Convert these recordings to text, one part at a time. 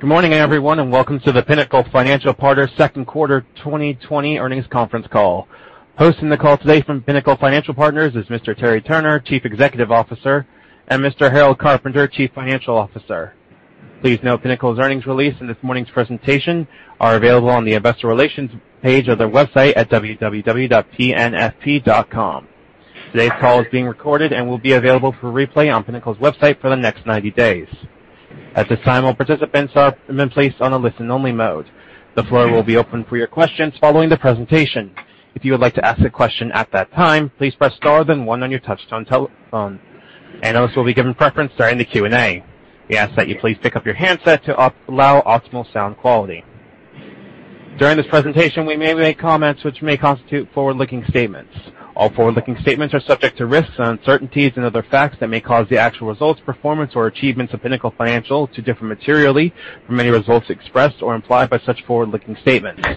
Good morning, everyone, and welcome to the Pinnacle Financial Partners second quarter 2020 earnings conference call. Hosting the call today from Pinnacle Financial Partners is Mr. Terry Turner, Chief Executive Officer, and Mr. Harold Carpenter, Chief Financial Officer. Please note Pinnacle's earnings release and this morning's presentation are available on the investor relations page of their website at www.pnfp.com. Today's call is being recorded and will be available for replay on Pinnacle's website for the next 90 days. At this time, all participants have been placed on a listen-only mode. The floor will be open for your questions following the presentation. If you would like to ask a question at that time, please press star then one on your touch-tone telephone. Analysts will be given preference during the Q&A. We ask that you please pick up your handset to allow optimal sound quality. During this presentation, we may make comments which may constitute forward-looking statements. All forward-looking statements are subject to risks and uncertainties and other facts that may cause the actual results, performance, or achievements of Pinnacle Financial to differ materially from any results expressed or implied by such forward-looking statements.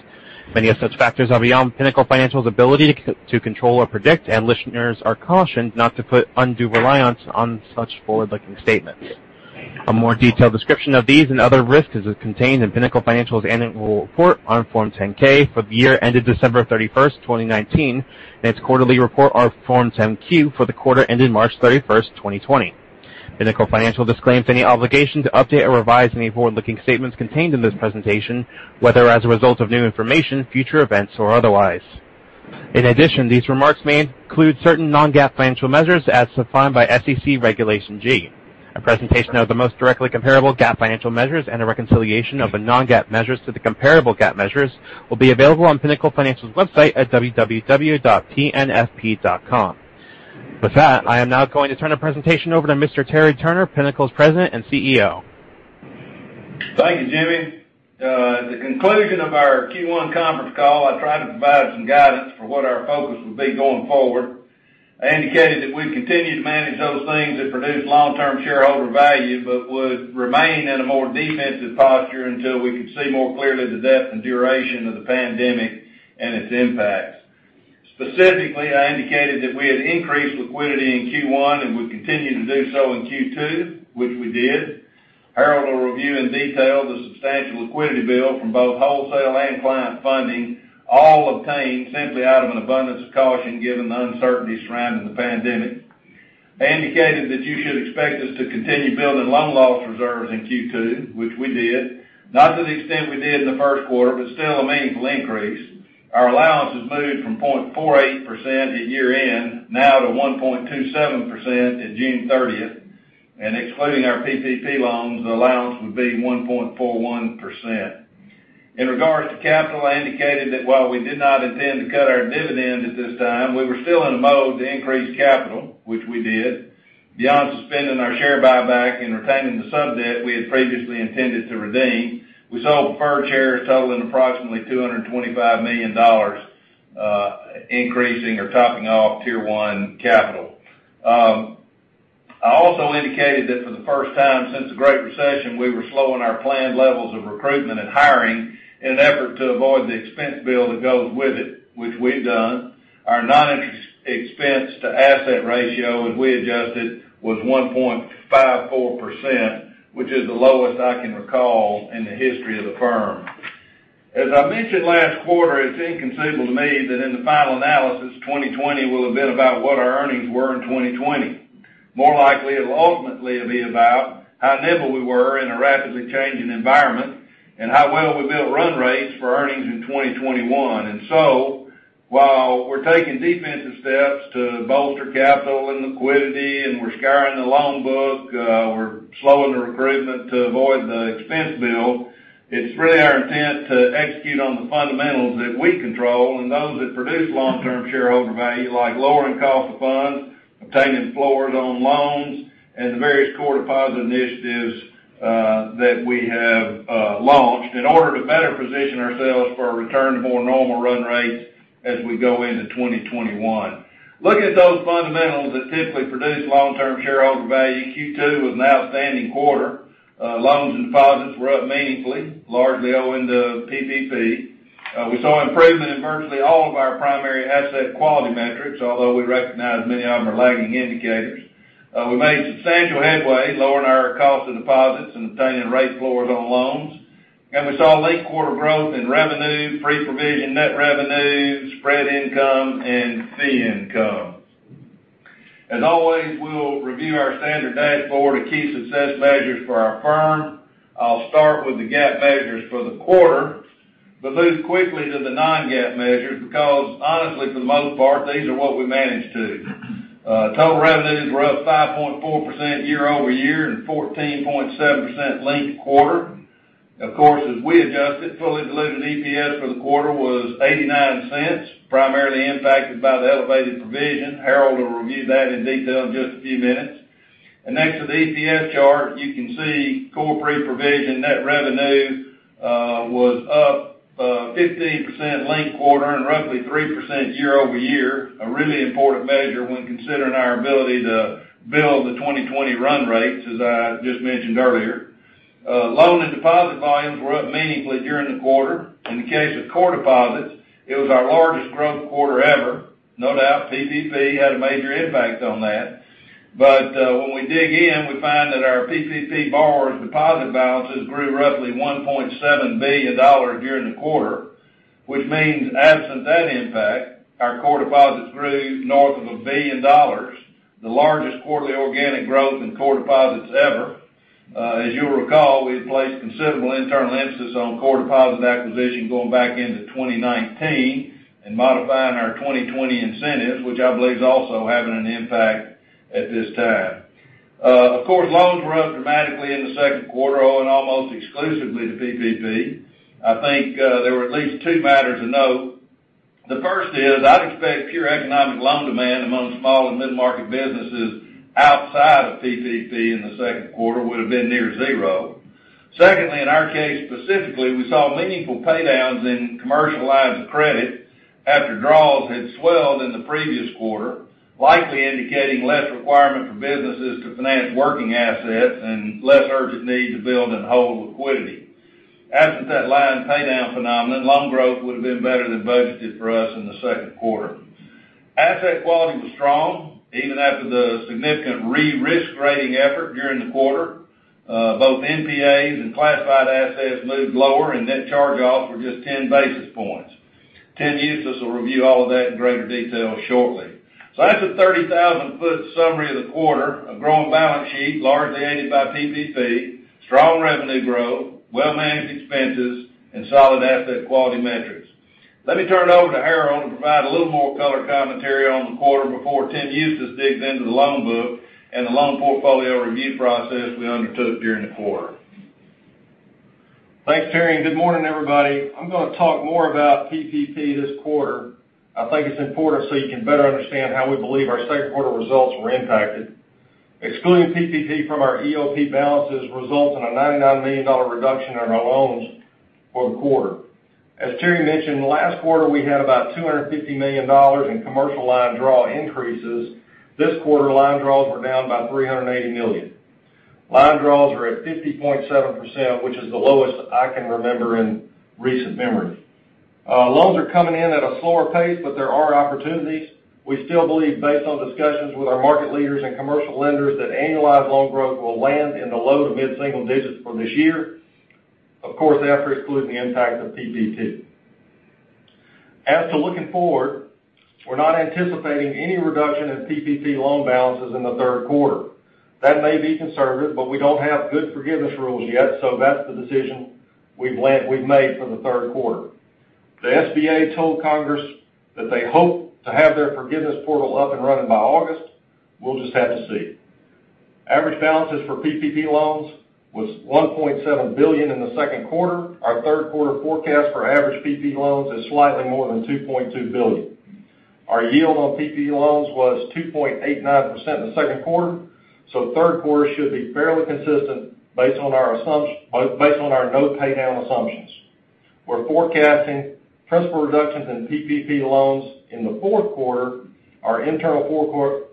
Many of such factors are beyond Pinnacle Financial's ability to control or predict, and listeners are cautioned not to put undue reliance on such forward-looking statements. A more detailed description of these and other risks is contained in Pinnacle Financial's annual report on Form 10-K for the year ended December 31st, 2019, and its quarterly report on Form 10-Q for the quarter ended March 31st, 2020. Pinnacle Financial disclaims any obligation to update or revise any forward-looking statements contained in this presentation, whether as a result of new information, future events, or otherwise. In addition, these remarks may include certain non-GAAP financial measures as defined by SEC Regulation G. A presentation of the most directly comparable GAAP financial measures and a reconciliation of the non-GAAP measures to the comparable GAAP measures will be available on Pinnacle Financial's website at www.pnfp.com. With that, I am now going to turn the presentation over to Mr. Terry Turner, Pinnacle's President and CEO. Thank you, Jimmy. At the conclusion of our Q1 conference call, I tried to provide some guidance for what our focus would be going forward. I indicated that we'd continue to manage those things that produce long-term shareholder value but would remain in a more defensive posture until we could see more clearly the depth and duration of the pandemic and its impacts. Specifically, I indicated that we had increased liquidity in Q1 and would continue to do so in Q2, which we did. Harold will review in detail the substantial liquidity build from both wholesale and client funding, all obtained simply out of an abundance of caution given the uncertainty surrounding the pandemic. I indicated that you should expect us to continue building loan loss reserves in Q2, which we did, not to the extent we did in the first quarter, but still a meaningful increase. Our allowances moved from 0.48% at year-end now to 1.27% at June 30th. Excluding our PPP loans, the allowance would be 1.41%. In regards to capital, I indicated that while we did not intend to cut our dividend at this time, we were still in a mode to increase capital, which we did. Beyond suspending our share buyback and retaining the sub-debt we had previously intended to redeem, we sold preferred shares totaling approximately $225 million, increasing or topping off Tier 1 capital. I also indicated that for the first time since the Great Recession, we were slowing our planned levels of recruitment and hiring in an effort to avoid the expense bill that goes with it, which we've done. Our non-interest expense to asset ratio, as we adjusted, was 1.54%, which is the lowest I can recall in the history of the firm. As I mentioned last quarter, it's inconceivable to me that in the final analysis, 2020 will have been about what our earnings were in 2020. More likely, it'll ultimately be about how nimble we were in a rapidly changing environment and how well we built run rates for earnings in 2021. While we're taking defensive steps to bolster capital and liquidity, and we're scouring the loan book, we're slowing the recruitment to avoid the expense bill, it's really our intent to execute on the fundamentals that we control and those that produce long-term shareholder value, like lowering cost of funds, obtaining floors on loans, and the various core deposit initiatives that we have launched in order to better position ourselves for a return to more normal run rates as we go into 2021. Looking at those fundamentals that typically produce long-term shareholder value, Q2 was an outstanding quarter. Loans and deposits were up meaningfully, largely owing to PPP. We saw improvement in virtually all of our primary asset quality metrics, although we recognize many of them are lagging indicators. We made substantial headway lowering our cost of deposits and obtaining rate floors on loans. We saw linked-quarter growth in revenue, pre-provision net revenue, spread income, and fee income. As always, we will review our standard dashboard of key success measures for our firm. I'll start with the GAAP measures for the quarter, but move quickly to the non-GAAP measures because honestly, for the most part, these are what we manage to. Total revenues were up 5.4% year-over-year and 14.7% linked-quarter. Of course, as we adjusted, fully diluted EPS for the quarter was $0.89, primarily impacted by the elevated provision. Harold will review that in detail in just a few minutes. Next to the EPS chart, you can see core pre-provision net revenue was up 15% linked quarter and roughly 3% year-over-year, a really important measure when considering our ability to build the 2020 run rates, as I just mentioned earlier. Loan and deposit volumes were up meaningfully during the quarter. In the case of core deposits, it was our largest growth quarter ever. No doubt, PPP had a major impact on that. When we dig in, we find that our PPP borrowers' deposit balances grew roughly $1.7 billion during the quarter, which means absent that impact, our core deposits grew north of $1 billion, the largest quarterly organic growth in core deposits ever. As you'll recall, we had placed considerable internal emphasis on core deposit acquisition going back into 2019 and modifying our 2020 incentives, which I believe is also having an impact at this time. Of course, loans were up dramatically in the second quarter, owing almost exclusively to PPP. I think there were at least two matters to note. The first is, I'd expect pure economic loan demand among small and mid-market businesses outside of PPP in the second quarter would have been near zero. Secondly, in our case specifically, we saw meaningful pay-downs in commercial lines of credit after draws had swelled in the previous quarter, likely indicating less requirement for businesses to finance working assets and less urgent need to build and hold liquidity. Absent that line pay-down phenomenon, loan growth would have been better than budgeted for us in the second quarter. Asset quality was strong, even after the significant re-risk rating effort during the quarter. Both NPAs and classified assets moved lower, and net charge-offs were just 10 basis points. Tim Huestis will review all of that in greater detail shortly. That's a 30,000-foot summary of the quarter, a growing balance sheet largely aided by PPP, strong revenue growth, well-managed expenses, and solid asset quality metrics. Let me turn it over to Harold to provide a little more color commentary on the quarter before Tim Huestis digs into the loan book and the loan portfolio review process we undertook during the quarter. Thanks, Terry. Good morning, everybody. I'm going to talk more about PPP this quarter. I think it's important so you can better understand how we believe our second quarter results were impacted. Excluding PPP from our EOP balances results in a $99 million reduction in our loans for the quarter. As Terry mentioned, last quarter, we had about $250 million in commercial line draw increases. This quarter, line draws were down by $380 million. Line draws are at 50.7%, which is the lowest I can remember in recent memory. Loans are coming in at a slower pace. There are opportunities. We still believe, based on discussions with our market leaders and commercial lenders, that annualized loan growth will land in the low- to mid-single digits for this year, of course, after excluding the impact of PPP. As to looking forward, we're not anticipating any reduction in PPP loan balances in the third quarter. That may be conservative, but we don't have good forgiveness rules yet, so that's the decision we've made for the third quarter. The SBA told Congress that they hope to have their forgiveness portal up and running by August. We'll just have to see. Average balances for PPP loans was $1.7 billion in the second quarter. Our third quarter forecast for average PPP loans is slightly more than $2.2 billion. Our yield on PPP loans was 2.89% in the second quarter, so third quarter should be fairly consistent based on our no pay-down assumptions. We're forecasting principal reductions in PPP loans in the fourth quarter. Our internal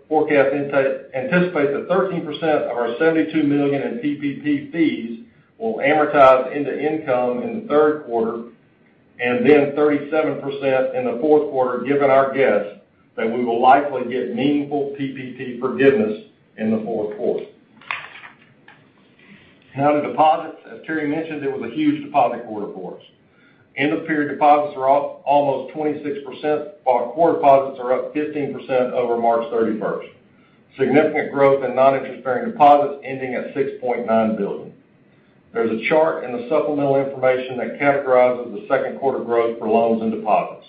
forecast anticipates that 13% of our $72 million in PPP fees will amortize into income in the third quarter, and then 37% in the fourth quarter, given our guess that we will likely get meaningful PPP forgiveness in the fourth quarter. Now to deposits. As Terry mentioned, it was a huge deposit quarter for us. End-of-period deposits are up almost 26%, while core deposits are up 15% over March 31st. Significant growth in non-interest-bearing deposits ending at $6.9 billion. There's a chart in the supplemental information that categorizes the second quarter growth for loans and deposits.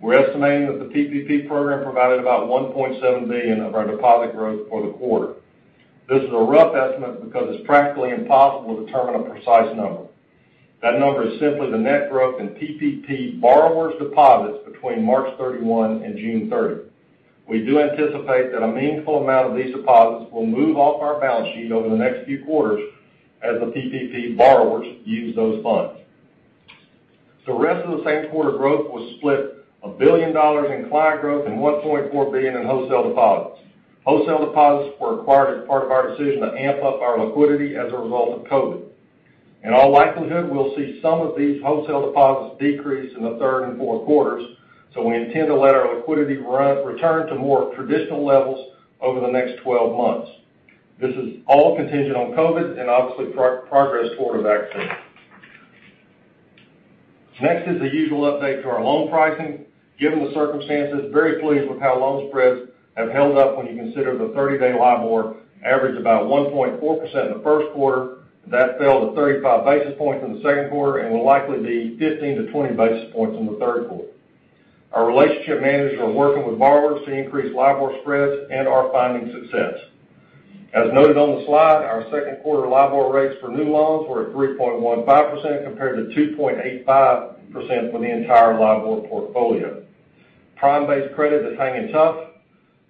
We're estimating that the PPP program provided about $1.7 billion of our deposit growth for the quarter. This is a rough estimate because it's practically impossible to determine a precise number. That number is simply the net growth in PPP borrowers' deposits between March 31 and June 30. We do anticipate that a meaningful amount of these deposits will move off our balance sheet over the next few quarters as the PPP borrowers use those funds. The rest of the second quarter growth was split $1 billion in client growth and $1.4 billion in wholesale deposits. Wholesale deposits were part of our decision to amp up our liquidity as a result of COVID. In all likelihood, we'll see some of these wholesale deposits decrease in the third and fourth quarters, we intend to let our liquidity return to more traditional levels over the next 12 months. This is all contingent on COVID and, obviously, progress toward a vaccine. Next is the usual update to our loan pricing. Given the circumstances, very pleased with how loan spreads have held up when you consider the 30-day LIBOR averaged about 1.4% in the first quarter. That fell to 35 basis points in the second quarter and will likely be 15 to 20 basis points in the third quarter. Our relationship managers are working with borrowers to increase LIBOR spreads and are finding success. As noted on the slide, our second quarter LIBOR rates for new loans were at 3.15% compared to 2.85% for the entire LIBOR portfolio. Prime-based credit is hanging tough,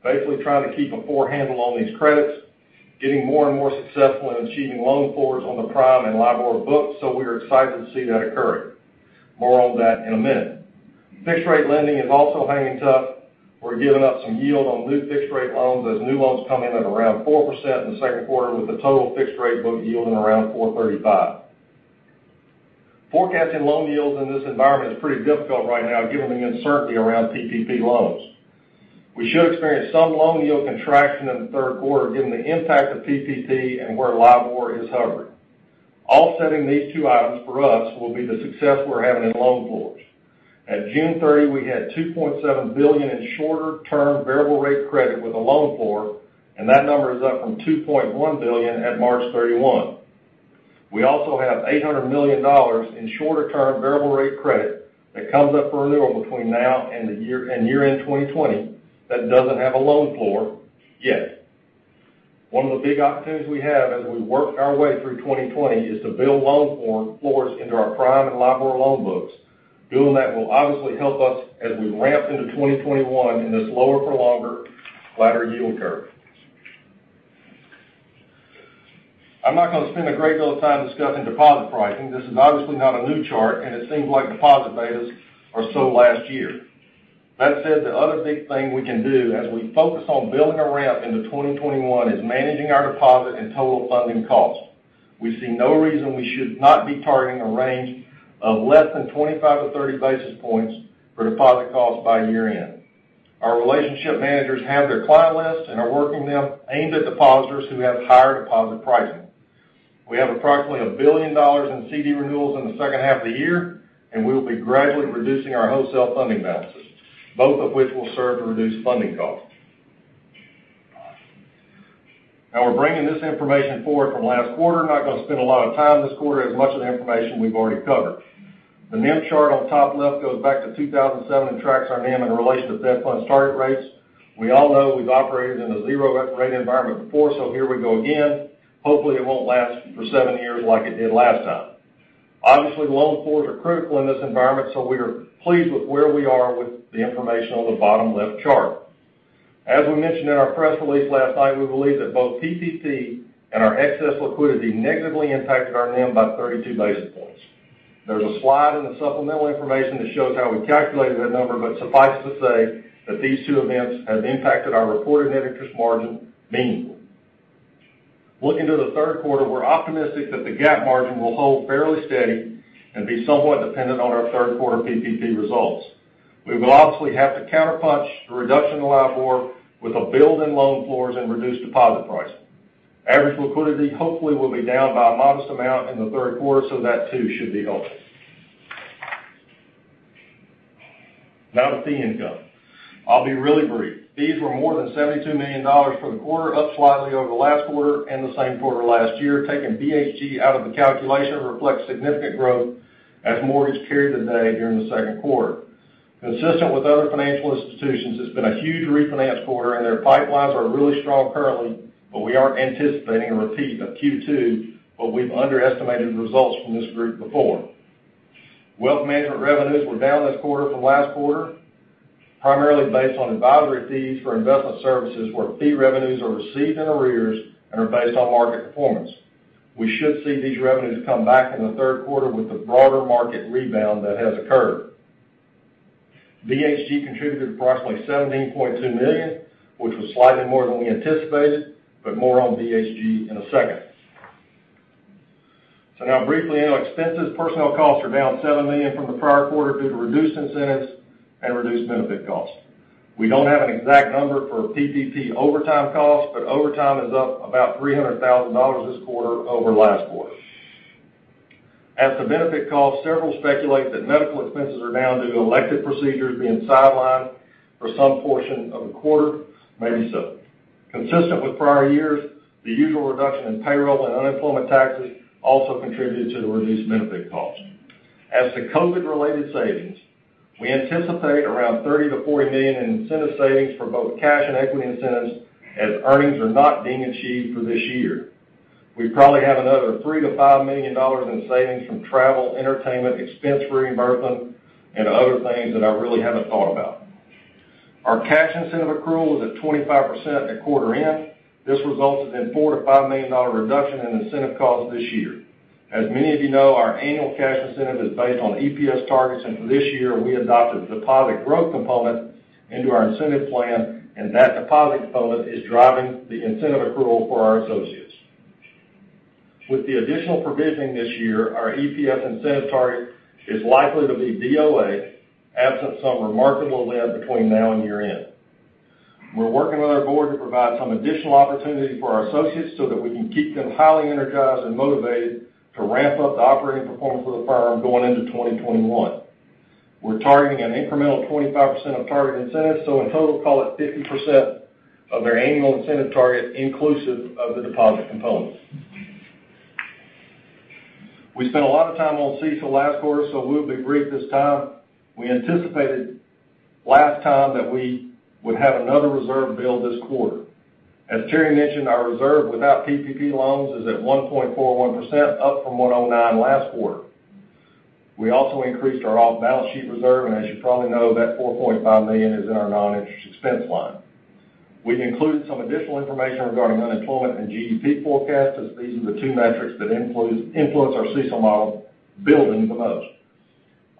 basically trying to keep a floor in hand along these credits, getting more and more successful in achieving loan floors on the prime and LIBOR books. We are excited to see that occurring. More on that in a minute. Fixed rate lending is also hanging tough. We're giving up some yield on new fixed rate loans as new loans come in at around 4% in the second quarter with the total fixed rate book yielding around 4.35%. Forecasting loan yields in this environment is pretty difficult right now given the uncertainty around PPP loans. We should experience some loan yield contraction in the third quarter given the impact of PPP and where LIBOR is hovering. Offsetting these two items for us will be the success we're having in loan floors. At June 30, we had $2.7 billion in shorter term variable rate credit with a loan floor, and that number is up from $2.1 billion at March 31. We also have $800 million in shorter term variable rate credit that comes up for renewal between now and year-end 2020 that doesn't have a loan floor yet. One of the big opportunities we have as we work our way through 2020 is to build loan floors into our prime and LIBOR loan books. Doing that will obviously help us as we ramp into 2021 in this lower for longer flatter yield curve. I'm not going to spend a great deal of time discussing deposit pricing. This is obviously not a new chart. It seems like deposit betas are so last year. That said, the other big thing we can do as we focus on building a ramp into 2021 is managing our deposit and total funding cost. We see no reason we should not be targeting a range of less than 25 to 30 basis points for deposit cost by year end. Our relationship managers have their client lists and are working them aimed at depositors who have higher deposit pricing. We have approximately $1 billion in CD renewals in the second half of the year, and we will be gradually reducing our wholesale funding balances, both of which will serve to reduce funding costs. We're bringing this information forward from last quarter. Not going to spend a lot of time this quarter as much of the information we've already covered. The NIM chart on top left goes back to 2007 and tracks our NIM in relation to Fed Funds target rates. We all know we've operated in a zero rate environment before, here we go again. Hopefully, it won't last for seven years like it did last time. Obviously, loan floors are critical in this environment, we are pleased with where we are with the information on the bottom left chart. As we mentioned in our press release last night, we believe that both PPP and our excess liquidity negatively impacted our NIM by 32 basis points. There's a slide in the supplemental information that shows how we calculated that number, but suffice to say that these two events have impacted our reported net interest margin meaningfully. Looking to the third quarter, we're optimistic that the GAAP margin will hold fairly steady and be somewhat dependent on our third quarter PPP results. We will obviously have to counterpunch the reduction in LIBOR with a build in loan floors and reduced deposit pricing. Average liquidity hopefully will be down by a modest amount in the third quarter, so that too should be helpful. Now to fee income. I'll be really brief. Fees were more than $72 million for the quarter, up slightly over last quarter and the same quarter last year. Taking BHG out of the calculation reflects significant growth as mortgage carried the day during the second quarter. Consistent with other financial institutions, it's been a huge refinance quarter, and their pipelines are really strong currently, but we aren't anticipating a repeat of Q2, but we've underestimated results from this group before. Wealth management revenues were down this quarter from last quarter, primarily based on advisory fees for investment services where fee revenues are received in arrears and are based on market performance. We should see these revenues come back in the third quarter with the broader market rebound that has occurred. BHG contributed approximately $17.2 million, which was slightly more than we anticipated, but more on BHG in a second. Now briefly on expenses. Personnel costs are down $7 million from the prior quarter due to reduced incentives and reduced benefit costs. We don't have an exact number for PPP overtime costs, but overtime is up about $300,000 this quarter over last quarter. As to benefit costs, several speculate that medical expenses are down due to elective procedures being sidelined for some portion of the quarter, maybe so. Consistent with prior years, the usual reduction in payroll and unemployment taxes also contributed to the reduced benefit costs. As to COVID related savings, we anticipate around $30 million-$40 million in incentive savings for both cash and equity incentives as earnings are not being achieved for this year. We probably have another $3 million-$5 million in savings from travel, entertainment expense reimbursement, and other things that I really haven't thought about. Our cash incentive accrual is at 25% at quarter end. This results in a $4 million-$5 million reduction in incentive costs this year. As many of you know, our annual cash incentive is based on EPS targets, and for this year, we adopted a deposit growth component into our incentive plan, and that deposit component is driving the incentive accrual for our associates. With the additional provisioning this year, our EPS incentive target is likely to be DOA, absent some remarkable [lend] between now and year end. We're working with our Board to provide some additional opportunity for our associates so that we can keep them highly energized and motivated to ramp up the operating performance of the firm going into 2021. We're targeting an incremental 25% of target incentives, so in total, call it 50% of their annual incentive target inclusive of the deposit components. We spent a lot of time on CECL last quarter, so we'll be brief this time. We anticipated last time that we would have another reserve build this quarter. As Terry mentioned, our reserve without PPP loans is at 1.41%, up from 1.09 last quarter. We also increased our off-balance sheet reserve, and as you probably know, that $4.5 million is in our non-interest expense line. We've included some additional information regarding unemployment and GDP forecast, as these are the two metrics that influence our CECL model building the most,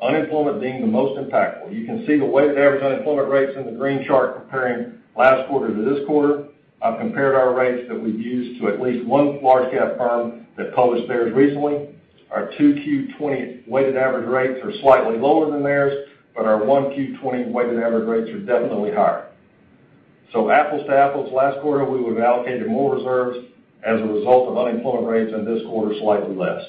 unemployment being the most impactful. You can see the weighted average unemployment rates in the green chart comparing last quarter to this quarter. I've compared our rates that we've used to at least one large cap firm that published theirs recently. Our 2Q 2020 weighted average rates are slightly lower than theirs. Our 1Q 2020 weighted average rates are definitely higher. Apples to apples, last quarter, we would have allocated more reserves as a result of unemployment rates, and this quarter, slightly less.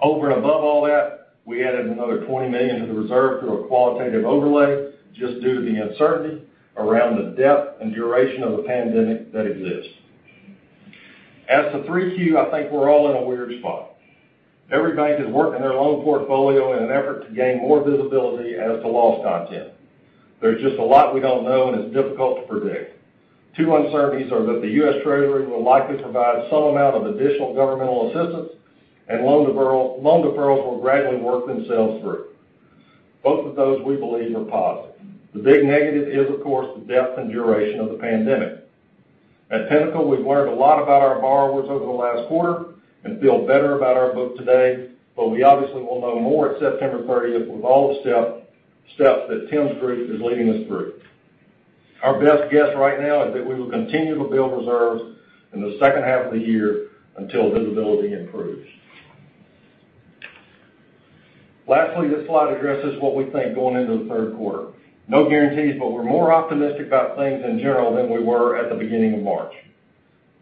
Over and above all that, we added another $20 million to the reserve through a qualitative overlay, just due to the uncertainty around the depth and duration of the pandemic that exists. As to 3Q, I think we're all in a weird spot. Every bank is working their loan portfolio in an effort to gain more visibility as to loss content. There's just a lot we don't know, and it's difficult to predict. Two uncertainties are that the U.S. Treasury will likely provide some amount of additional governmental assistance, and loan deferrals will gradually work themselves through. Both of those, we believe, are positive. The big negative is, of course, the depth and duration of the pandemic. At Pinnacle, we've learned a lot about our borrowers over the last quarter and feel better about our book today, but we obviously will know more at September 30th with all the steps that Tim's group is leading us through. Our best guess right now is that we will continue to build reserves in the second half of the year until visibility improves. Lastly, this slide addresses what we think going into the third quarter. No guarantees, but we're more optimistic about things in general than we were at the beginning of March.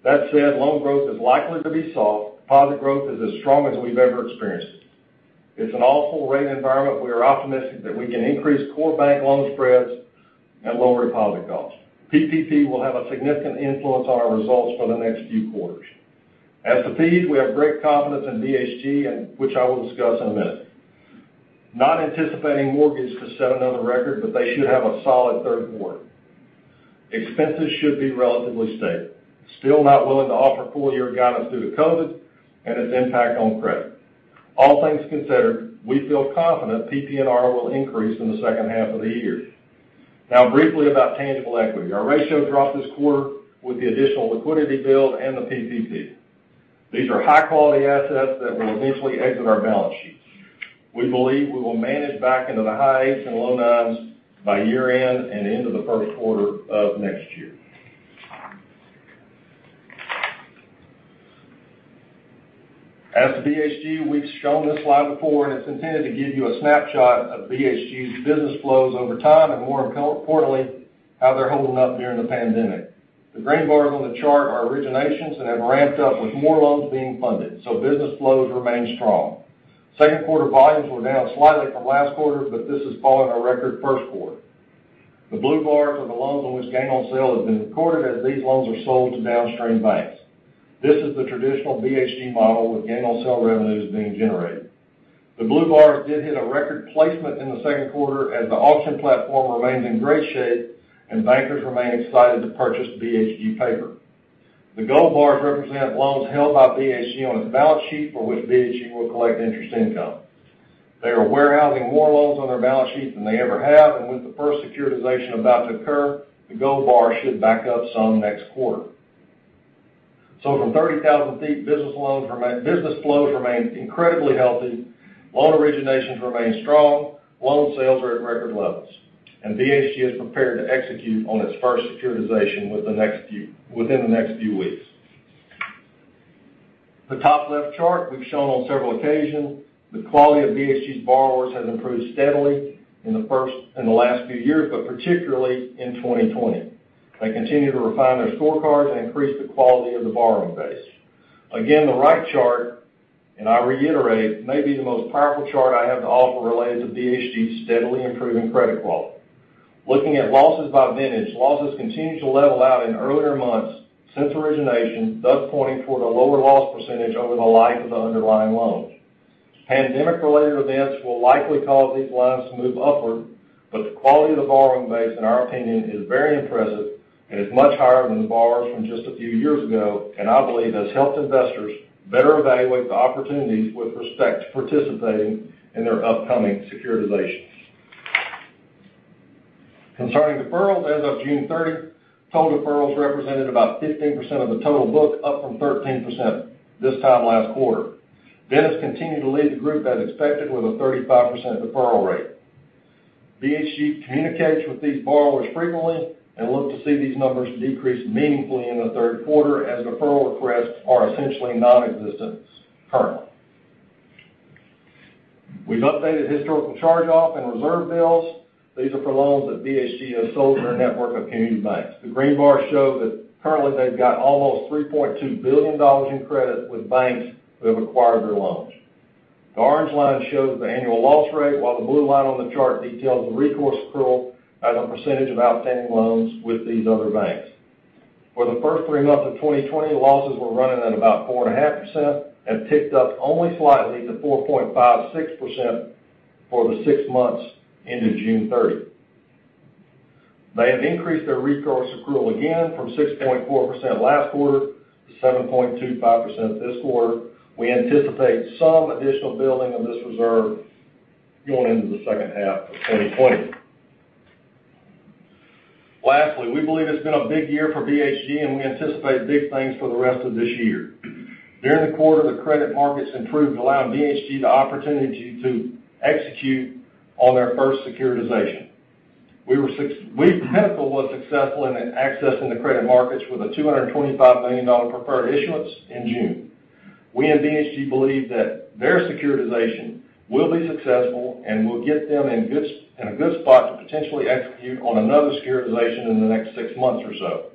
That said, loan growth is likely to be soft. Deposit growth is as strong as we've ever experienced. It's an awful rate environment. We are optimistic that we can increase core bank loan spreads and lower deposit costs. PPP will have a significant influence on our results for the next few quarters. At the fees, we have great confidence in BHG, which I will discuss in a minute. Not anticipating mortgage to set another record, but they should have a solid third quarter. Expenses should be relatively stable. Still not willing to offer full year guidance due to COVID and its impact on credit. All things considered, we feel confident PPNR will increase in the second half of the year. Now, briefly about tangible equity. Our ratio dropped this quarter with the additional liquidity build and the PPP. These are high-quality assets that will eventually exit our balance sheets. We believe we will manage back into the high eights and low nines by year-end and into the first quarter of next year. As to BHG, we've shown this slide before, and it's intended to give you a snapshot of BHG's business flows over time and, more importantly, how they're holding up during the pandemic. The green bars on the chart are originations and have ramped up with more loans being funded, so business flows remain strong. Second quarter volumes were down slightly from last quarter, but this is following our record first quarter. The blue bars are the loans on which gain on sale has been recorded as these loans are sold to downstream banks. This is the traditional BHG model with gain on sale revenues being generated. The blue bars did hit a record placement in the second quarter, as the auction platform remains in great shape and bankers remain excited to purchase BHG paper. The gold bars represent loans held by BHG on its balance sheet for which BHG will collect interest income. They are warehousing more loans on their balance sheet than they ever have, and with the first securitization about to occur, the gold bar should back up some next quarter. From 30,000 feet, business flows remain incredibly healthy, loan originations remain strong, loan sales are at record levels, and BHG is prepared to execute on its first securitization within the next few weeks. The top left chart we've shown on several occasions. The quality of BHG's borrowers has improved steadily in the last few years, but particularly in 2020. They continue to refine their scorecards and increase the quality of the borrowing base. Again, the right chart, and I reiterate, may be the most powerful chart I have to offer related to BHG's steadily improving credit quality. Looking at losses by vintage, losses continue to level out in earlier months since origination, thus pointing toward a lower loss percentage over the life of the underlying loan. Pandemic-related events will likely cause these lines to move upward, but the quality of the borrowing base, in our opinion, is very impressive and is much higher than the borrowers from just a few years ago, and I believe has helped investors better evaluate the opportunities with respect to participating in their upcoming securitizations. Concerning deferrals, as of June 30, total deferrals represented about 15% of the total book, up from 13% this time last quarter. Dentists continued to lead the group as expected with a 35% deferral rate. BHG communicates with these borrowers frequently and look to see these numbers decrease meaningfully in the third quarter as deferral requests are essentially nonexistent currently. We've updated historical charge-off and reserve builds. These are for loans that BHG has sold to their network of community banks. The green bars show that currently they've got almost $3.2 billion in credit with banks that have acquired their loans. The orange line shows the annual loss rate, while the blue line on the chart details the recourse accrual as a percentage of outstanding loans with these other banks. For the first three months of 2020, losses were running at about 4.5% and picked up only slightly to 4.56% for the six months into June 30. They have increased their recourse accrual again from 6.4% last quarter to 7.25% this quarter. We anticipate some additional building of this reserve going into the second half of 2020. Lastly, we believe it's been a big year for BHG, and we anticipate big things for the rest of this year. During the quarter, the credit markets improved, allowing BHG the opportunity to execute on their first securitization. Pinnacle was successful in accessing the credit markets with a $225 million preferred issuance in June. We and BHG believe that their securitization will be successful and will get them in a good spot to potentially execute on another securitization in the next six months or so.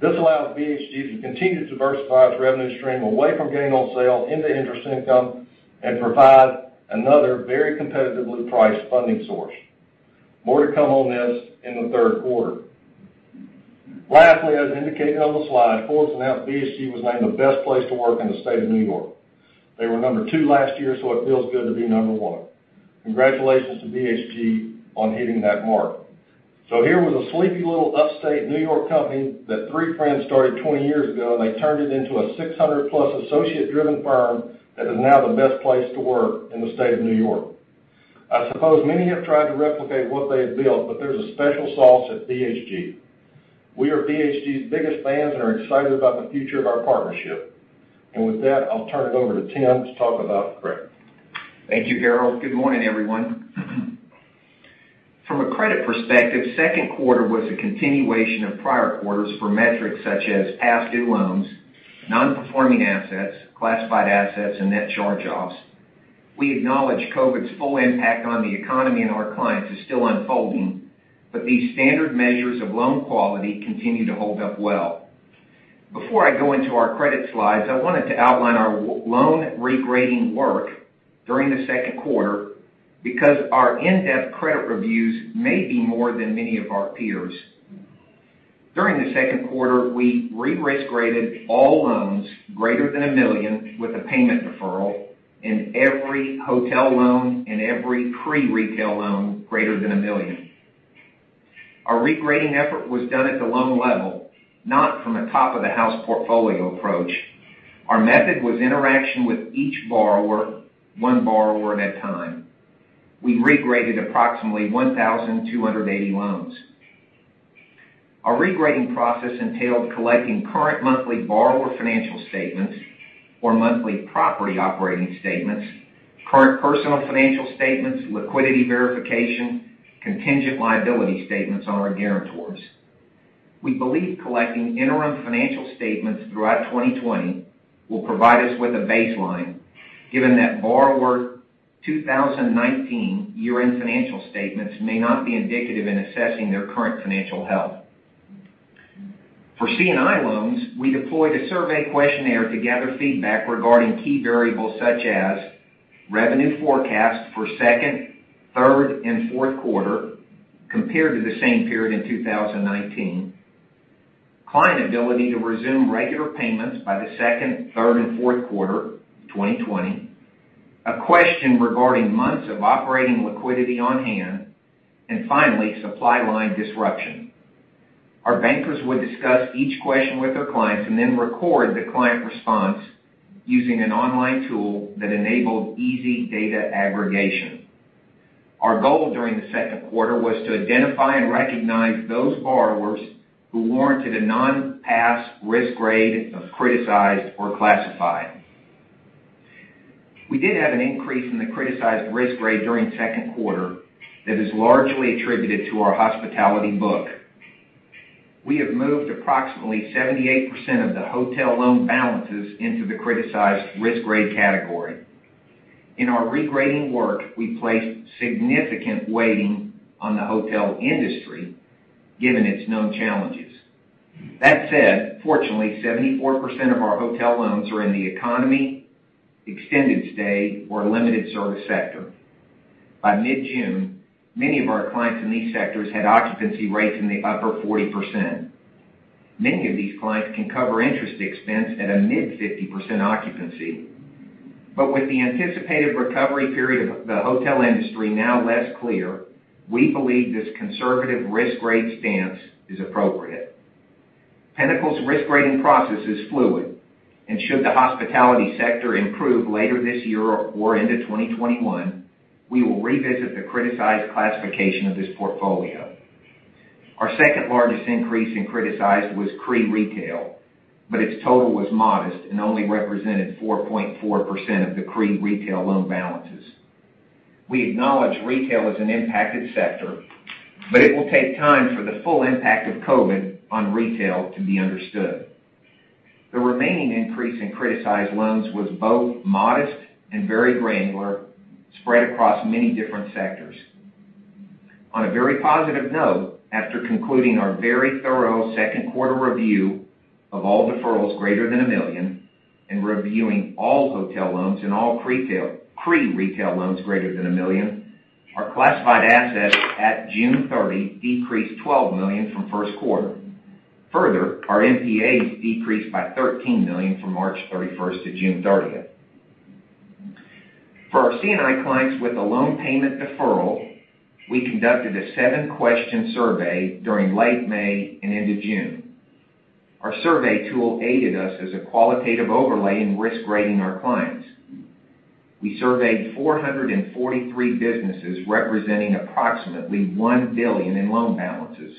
This allows BHG to continue to diversify its revenue stream away from gain on sale into interest income and provide another very competitively priced funding source. More to come on this in the third quarter. Lastly, as indicated on the slide, Forbes announced BHG was named the best place to work in the state of New York. They were number 2 last year. It feels good to be number 1. Congratulations to BHG on hitting that mark. Here was a sleepy little upstate New York company that three friends started 20 years ago, and they turned it into a 600-plus associate-driven firm that is now the best place to work in the state of New York. I suppose many have tried to replicate what they have built, but there's a special sauce at BHG. We are BHG's biggest fans and are excited about the future of our partnership. With that, I'll turn it over to Tim to talk about credit. Thank you, Harold. Good morning, everyone. From a credit perspective, second quarter was a continuation of prior quarters for metrics such as past-due loans, non-performing assets, classified assets, and net charge-offs. We acknowledge COVID's full impact on the economy and our clients is still unfolding, but these standard measures of loan quality continue to hold up well. Before I go into our credit slides, I wanted to outline our loan regrading work during the second quarter because our in-depth credit reviews may be more than many of our peers. During the second quarter, we re-risk graded all loans greater than $1 million with a payment deferral in every hotel loan and every CRE retail loan greater than $1 million. Our regrading effort was done at the loan level, not from a top-of-the-house portfolio approach. Our method was interaction with each borrower, one borrower at a time. We regraded approximately 1,280 loans. Our regrading process entailed collecting current monthly borrower financial statements or monthly property operating statements, current personal financial statements, liquidity verification, contingent liability statements on our guarantors. We believe collecting interim financial statements throughout 2020 will provide us with a baseline, given that borrower 2019 year-end financial statements may not be indicative in assessing their current financial health. For C&I loans, we deployed a survey questionnaire to gather feedback regarding key variables such as revenue forecast for second, third and fourth quarter compared to the same period in 2019, client ability to resume regular payments by the second, third and fourth quarter 2020, a question regarding months of operating liquidity on hand, and finally, supply line disruption. Our bankers would discuss each question with their clients and then record the client response using an online tool that enabled easy data aggregation. Our goal during the second quarter was to identify and recognize those borrowers who warranted a non-pass risk grade of criticized or classified. We did have an increase in the criticized risk grade during second quarter that is largely attributed to our hospitality book. We have moved approximately 78% of the hotel loan balances into the criticized risk grade category. In our regrading work, we placed significant weighting on the hotel industry, given its known challenges. Fortunately, 74% of our hotel loans are in the economy, extended stay, or limited service sector. By mid-June, many of our clients in these sectors had occupancy rates in the upper 40%. Many of these clients can cover interest expense at a mid 50% occupancy. With the anticipated recovery period of the hotel industry now less clear, we believe this conservative risk grade stance is appropriate. Pinnacle's risk grading process is fluid, and should the hospitality sector improve later this year or into 2021, we will revisit the criticized classification of this portfolio. Our second largest increase in criticized was CRE retail. Its total was modest and only represented 4.4% of the CRE retail loan balances. We acknowledge retail is an impacted sector. It will take time for the full impact of COVID on retail to be understood. The remaining increase in criticized loans was both modest and very granular, spread across many different sectors. On a very positive note, after concluding our very thorough second quarter review of all deferrals greater than $1 million and reviewing all hotel loans and all CRE retail loans greater than $1 million, our classified assets at June 30 decreased $12 million from first quarter. Our NPAs decreased by $13 million from March 31st to June 30th. For our C&I clients with a loan payment deferral, we conducted a seven-question survey during late May and into June. Our survey tool aided us as a qualitative overlay in risk grading our clients. We surveyed 443 businesses representing approximately $1 billion in loan balances.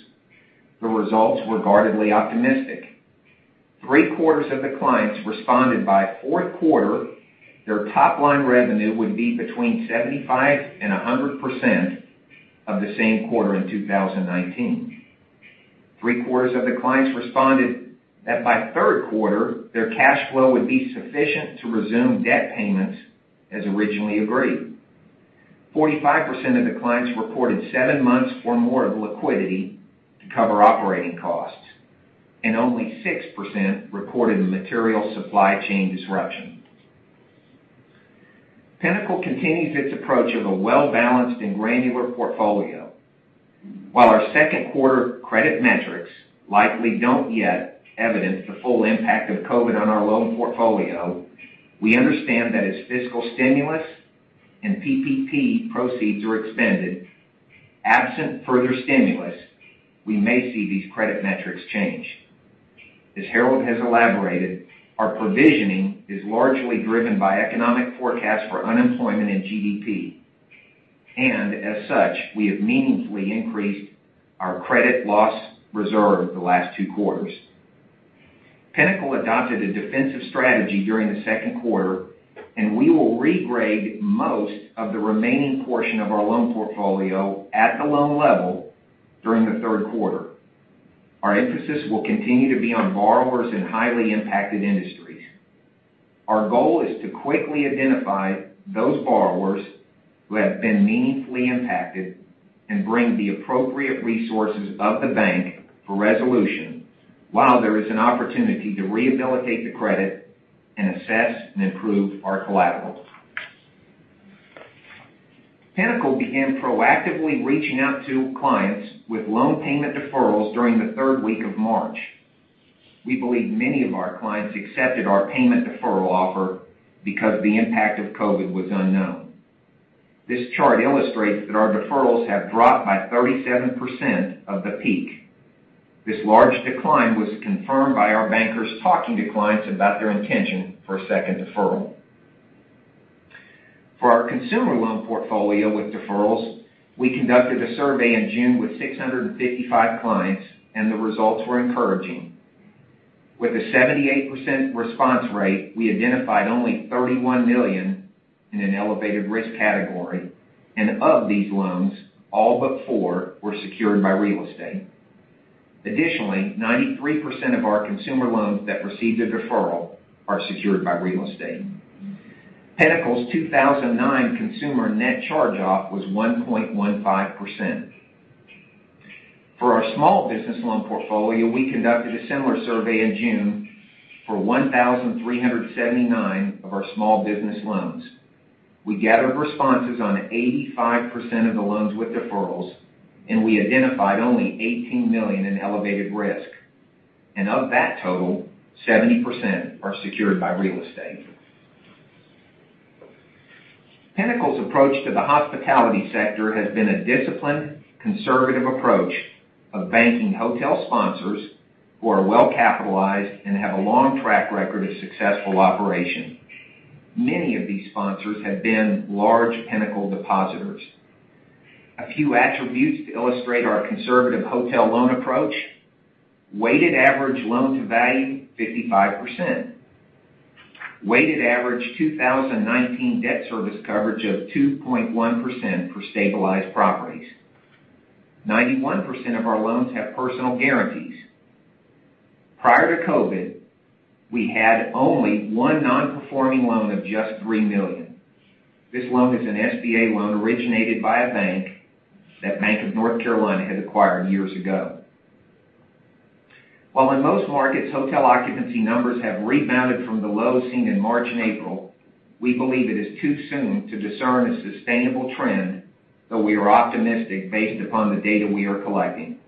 The results were guardedly optimistic. Three-quarters of the clients responded by fourth quarter, their top-line revenue would be between 75% and 100% of the same quarter in 2019. Three-quarters of the clients responded that by third quarter, their cash flow would be sufficient to resume debt payments as originally agreed. 45% of the clients reported seven months or more of liquidity to cover operating costs, and only 6% reported a material supply chain disruption. Pinnacle continues its approach of a well-balanced and granular portfolio. While our second quarter credit metrics likely don't yet evidence the full impact of COVID on our loan portfolio, we understand that as fiscal stimulus and PPP proceeds are expended, absent further stimulus, we may see these credit metrics change. As Harold has elaborated, our provisioning is largely driven by economic forecasts for unemployment and GDP. As such, we have meaningfully increased our credit loss reserve the last two quarters. Pinnacle adopted a defensive strategy during the second quarter, and we will regrade most of the remaining portion of our loan portfolio at the loan level during the third quarter. Our emphasis will continue to be on borrowers in highly impacted industries. Our goal is to quickly identify those borrowers who have been meaningfully impacted and bring the appropriate resources of the bank for resolution while there is an opportunity to rehabilitate the credit and assess and improve our collateral. Pinnacle began proactively reaching out to clients with loan payment deferrals during the third week of March. We believe many of our clients accepted our payment deferral offer because the impact of COVID was unknown. This chart illustrates that our deferrals have dropped by 37% of the peak. This large decline was confirmed by our bankers talking to clients about their intention for a second deferral. For our consumer loan portfolio with deferrals, we conducted a survey in June with 655 clients, and the results were encouraging. With a 78% response rate, we identified only $31 million in an elevated risk category, and of these loans, all but four were secured by real estate. Additionally, 93% of our consumer loans that received a deferral are secured by real estate. Pinnacle's 2009 consumer net charge-off was 1.15%. For our small business loan portfolio, we conducted a similar survey in June for 1,379 of our small business loans. We gathered responses on 85% of the loans with deferrals, and we identified only $18 million in elevated risk. Of that total, 70% are secured by real estate. Pinnacle's approach to the hospitality sector has been a disciplined, conservative approach of banking hotel sponsors who are well capitalized and have a long track record of successful operation. Many of these sponsors have been large Pinnacle depositors. A few attributes to illustrate our conservative hotel loan approach. Weighted average loan-to-value, 55%. Weighted average 2019 debt service coverage of 2.1% for stabilized properties. 91% of our loans have personal guarantees. Prior to COVID, we had only one non-performing loan of just $3 million. This loan is an SBA loan originated by a bank that Bank of North Carolina had acquired years ago. While in most markets, hotel occupancy numbers have rebounded from the lows seen in March and April, we believe it is too soon to discern a sustainable trend, though we are optimistic based upon the data we are collecting.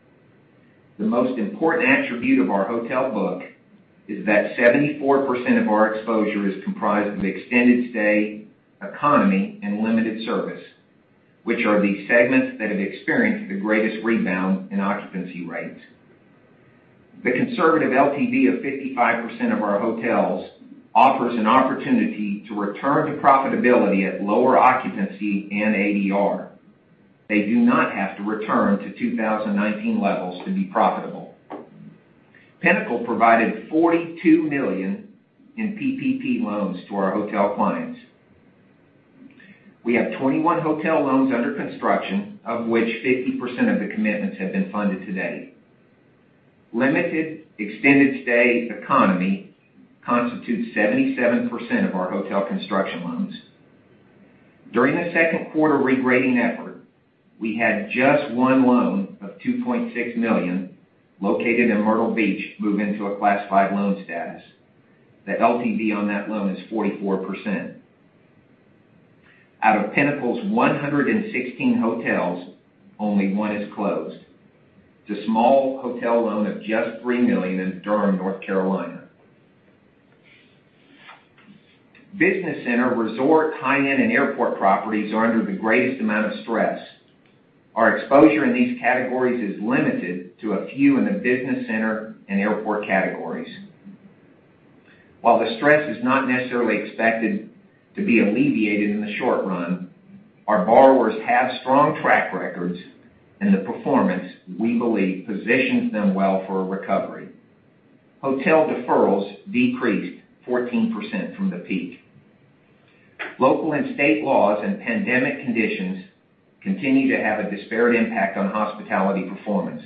The most important attribute of our hotel book is that 74% of our exposure is comprised of extended stay, economy, and limited service, which are the segments that have experienced the greatest rebound in occupancy rates. The conservative LTV of 55% of our hotels offers an opportunity to return to profitability at lower occupancy and ADR. They do not have to return to 2019 levels to be profitable. Pinnacle provided $42 million in PPP loans to our hotel clients. We have 21 hotel loans under construction, of which 50% of the commitments have been funded to date. Limited extended stay economy constitutes 77% of our hotel construction loans. During the second quarter regrading effort, we had just one loan of $2.6 million, located in Myrtle Beach, move into a class 5 loan status. The LTV on that loan is 44%. Out of Pinnacle's 116 hotels, only one is closed. It's a small hotel loan of just $3 million in Durham, North Carolina. Business center, resort, high-end, and airport properties are under the greatest amount of stress. Our exposure in these categories is limited to a few in the business center and airport categories. While the stress is not necessarily expected to be alleviated in the short run, our borrowers have strong track records, and the performance, we believe, positions them well for a recovery. Hotel deferrals decreased 14% from the peak. Local and state laws and pandemic conditions continue to have a disparate impact on hospitality performance.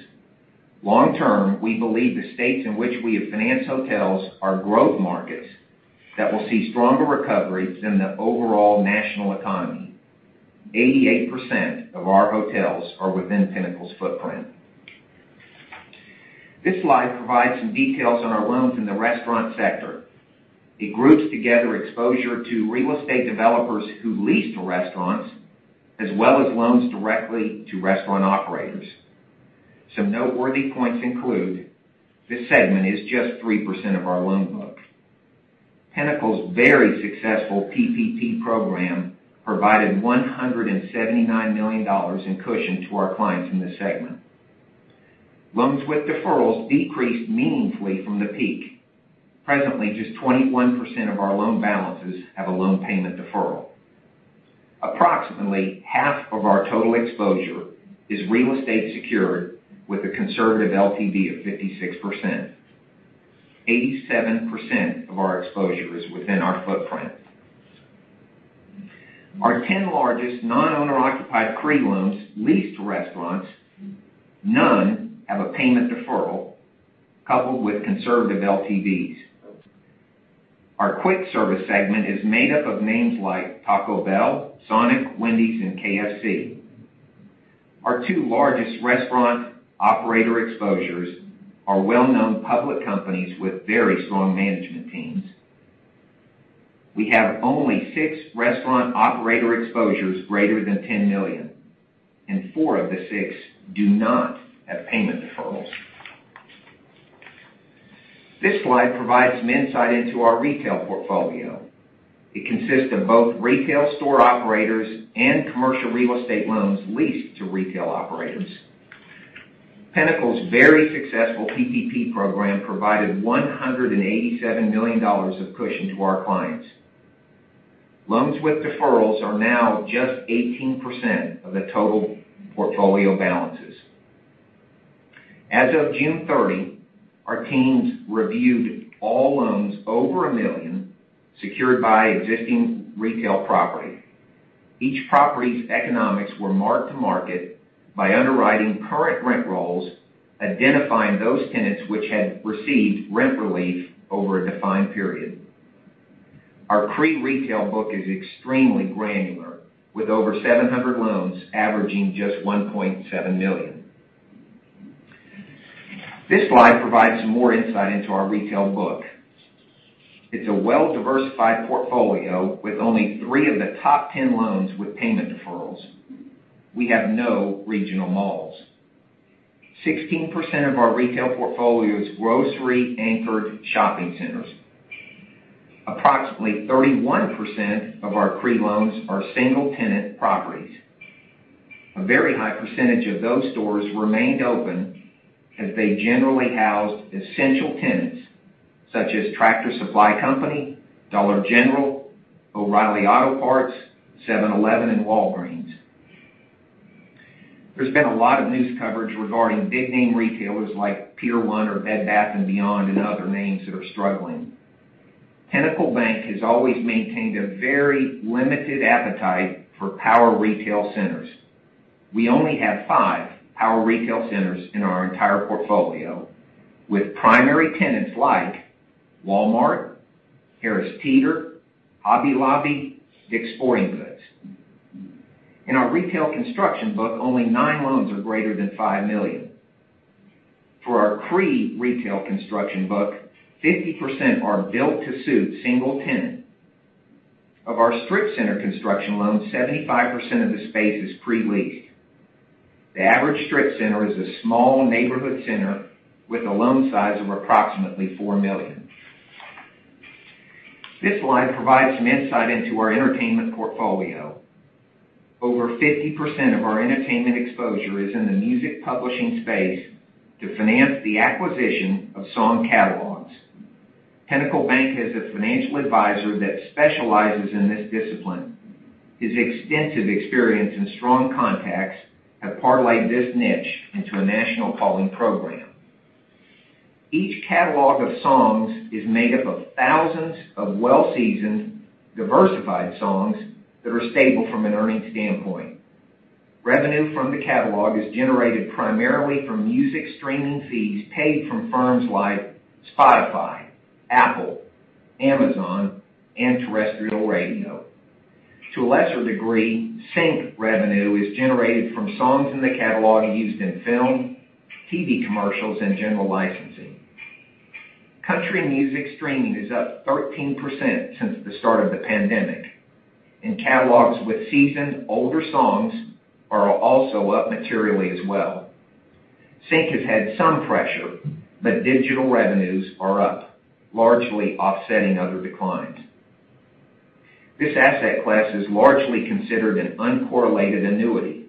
Long term, we believe the states in which we have finance hotels are growth markets that will see stronger recovery than the overall national economy. 88% of our hotels are within Pinnacle's footprint. This slide provides some details on our loans in the restaurant sector. It groups together exposure to real estate developers who lease to restaurants, as well as loans directly to restaurant operators. Some noteworthy points include, this segment is just 3% of our loan book. Pinnacle's very successful PPP program provided $179 million in cushion to our clients in this segment. Loans with deferrals decreased meaningfully from the peak. Presently, just 21% of our loan balances have a loan payment deferral. Approximately half of our total exposure is real estate secured with a conservative LTV of 56%. 87% of our exposure is within our footprint. Our 10 largest non-owner occupied CRE loans leased to restaurants, none have a payment deferral coupled with conservative LTVs. Our quick service segment is made up of names like Taco Bell, Sonic, Wendy's, and KFC. Our two largest restaurant operator exposures are well-known public companies with very strong management teams. We have only six restaurant operator exposures greater than $10 million, and four of the six do not have payment deferrals. This slide provides some insight into our retail portfolio. It consists of both retail store operators and commercial real estate loans leased to retail operators. Pinnacle's very successful PPP program provided $187 million of cushion to our clients. Loans with deferrals are now just 18% of the total portfolio balances. As of June 30, our teams reviewed all loans over $1 million secured by existing retail property. Each property's economics were marked to market by underwriting current rent rolls, identifying those tenants which had received rent relief over a defined period. Our CRE retail book is extremely granular, with over 700 loans averaging just $1.7 million. This slide provides some more insight into our retail book. It's a well-diversified portfolio with only three of the top 10 loans with payment deferrals. We have no regional malls. 16% of our retail portfolio is grocery-anchored shopping centers. Approximately 31% of our CRE loans are single-tenant properties. A very high percentage of those stores remained open as they generally housed essential tenants such as Tractor Supply Company, Dollar General, O'Reilly Auto Parts, 7-Eleven, and Walgreens. There's been a lot of news coverage regarding big-name retailers like Pier 1 or Bed Bath & Beyond and other names that are struggling. Pinnacle Bank has always maintained a very limited appetite for power retail centers. We only have five power retail centers in our entire portfolio, with primary tenants like Walmart, Harris Teeter, Hobby Lobby, Dick's Sporting Goods. In our retail construction book, only nine loans are greater than $5 million. For our CRE retail construction book, 50% are built to suit single tenant. Of our strip center construction loans, 75% of the space is pre-leased. The average strip center is a small neighborhood center with a loan size of approximately $4 million. This slide provides some insight into our entertainment portfolio. Over 50% of our entertainment exposure is in the music publishing space to finance the acquisition of song catalogs. Pinnacle Bank has a financial advisor that specializes in this discipline. His extensive experience and strong contacts have parlayed this niche into a national calling program. Each catalog of songs is made up of thousands of well-seasoned, diversified songs that are stable from an earning standpoint. Revenue from the catalog is generated primarily from music streaming fees paid from firms like Spotify, Apple, Amazon, and terrestrial radio. To a lesser degree, sync revenue is generated from songs in the catalog used in film, TV commercials, and general licensing. Country music streaming is up 13% since the start of the pandemic, and catalogs with seasoned older songs are also up materially as well. Sync has had some pressure, digital revenues are up, largely offsetting other declines. This asset class is largely considered an uncorrelated annuity,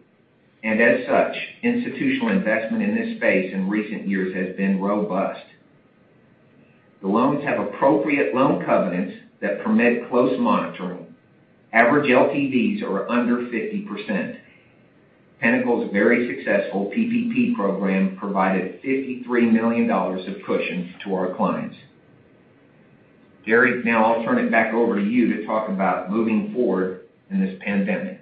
as such, institutional investment in this space in recent years has been robust. The loans have appropriate loan covenants that permit close monitoring. Average LTVs are under 50%. Pinnacle's very successful PPP program provided $53 million of cushion to our clients. Terry, I'll turn it back over to you to talk about moving forward in this pandemic.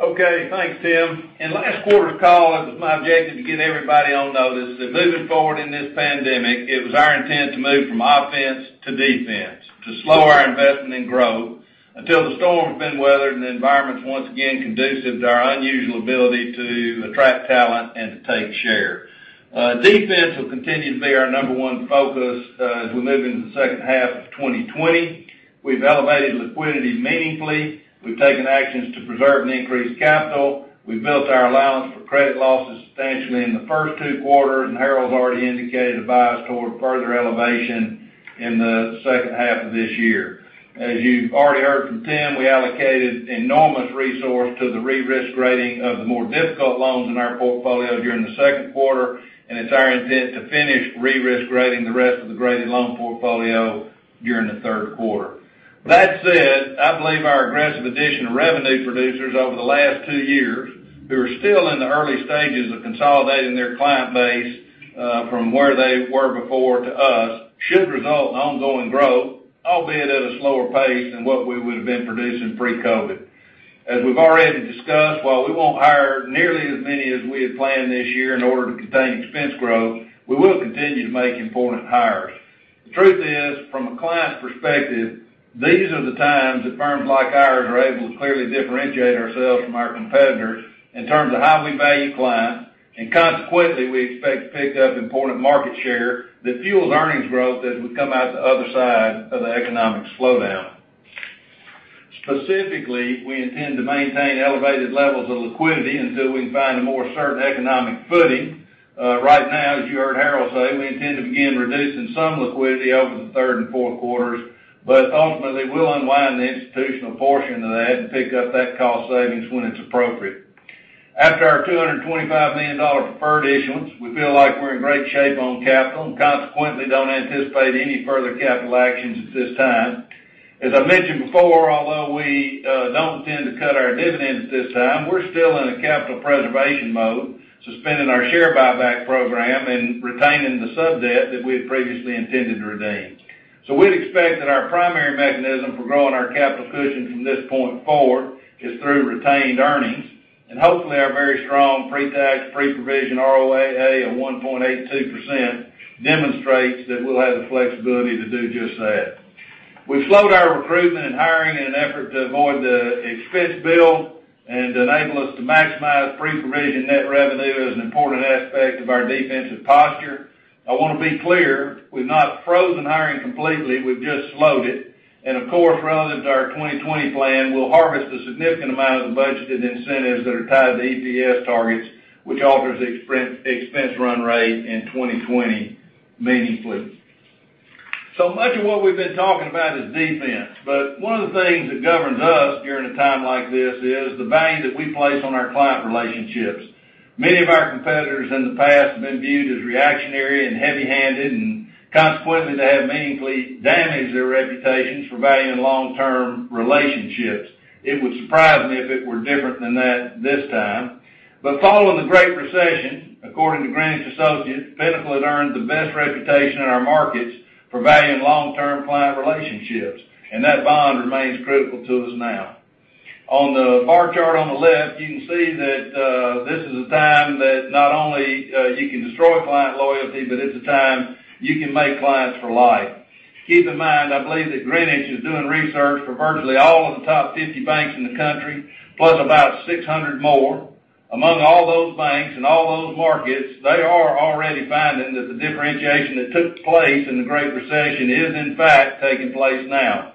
Okay. Thanks, Tim. In last quarter's call, it was my objective to get everybody on notice that moving forward in this pandemic, it was our intent to move from offense to defense, to slow our investment and growth until the storm's been weathered and the environment's once again conducive to our unusual ability to attract talent and to take share. Defense will continue to be our number one focus as we move into the second half of 2020. We've elevated liquidity meaningfully. We've taken actions to preserve and increase capital. We've built our allowance for credit losses substantially in the first two quarters, and Harold's already indicated a bias toward further elevation in the second half of this year. As you've already heard from Tim, we allocated enormous resource to the re-risk rating of the more difficult loans in our portfolio during the second quarter, and it's our intent to finish re-risk rating the rest of the graded loan portfolio during the third quarter. That said, I believe our aggressive addition of revenue producers over the last two years, who are still in the early stages of consolidating their client base, from where they were before to us, should result in ongoing growth, albeit at a slower pace than what we would have been producing pre-COVID. As we've already discussed, while we won't hire nearly as many as we had planned this year in order to contain expense growth, we will continue to make important hires. The truth is, from a client's perspective, these are the times that firms like ours are able to clearly differentiate ourselves from our competitors in terms of how we value clients. Consequently, we expect to pick up important market share that fuels earnings growth as we come out the other side of the economic slowdown. Specifically, we intend to maintain elevated levels of liquidity until we can find a more certain economic footing. Right now, as you heard Harold say, we intend to begin reducing some liquidity over the third and fourth quarters. Ultimately, we'll unwind the institutional portion of that and pick up that cost savings when it's appropriate. After our $225 million preferred issuance, we feel like we're in great shape on capital. Consequently, don't anticipate any further capital actions at this time. As I mentioned before, although we don't intend to cut our dividend at this time, we're still in a capital preservation mode, suspending our share buyback program and retaining the sub-debt that we had previously intended to redeem. We'd expect that our primary mechanism for growing our capital cushion from this point forward is through retained earnings. Hopefully our very strong pre-tax, pre-provision ROAA of 1.82% demonstrates that we'll have the flexibility to do just that. We've slowed our recruitment and hiring in an effort to avoid the expense build and enable us to maximize pre-provision net revenue as an important aspect of our defensive posture. I want to be clear, we've not frozen hiring completely, we've just slowed it. Of course, relative to our 2020 plan, we'll harvest a significant amount of the budgeted incentives that are tied to EPS targets, which alters expense run rate in 2020 meaningfully. Much of what we've been talking about is defense, but one of the things that governs us during a time like this is the value that we place on our client relationships. Many of our competitors in the past have been viewed as reactionary and heavy-handed, and consequently, they have meaningfully damaged their reputations for valuing long-term relationships. It would surprise me if it were different than that this time. Following the Great Recession, according to Greenwich Associates, Pinnacle had earned the best reputation in our markets for valuing long-term client relationships, and that bond remains critical to us now. On the bar chart on the left, you can see that this is a time that not only you can destroy client loyalty, but it's a time you can make clients for life. Keep in mind, I believe that Greenwich is doing research for virtually all of the top 50 banks in the country, plus about 600 more. Among all those banks and all those markets, they are already finding that the differentiation that took place in the Great Recession is, in fact, taking place now.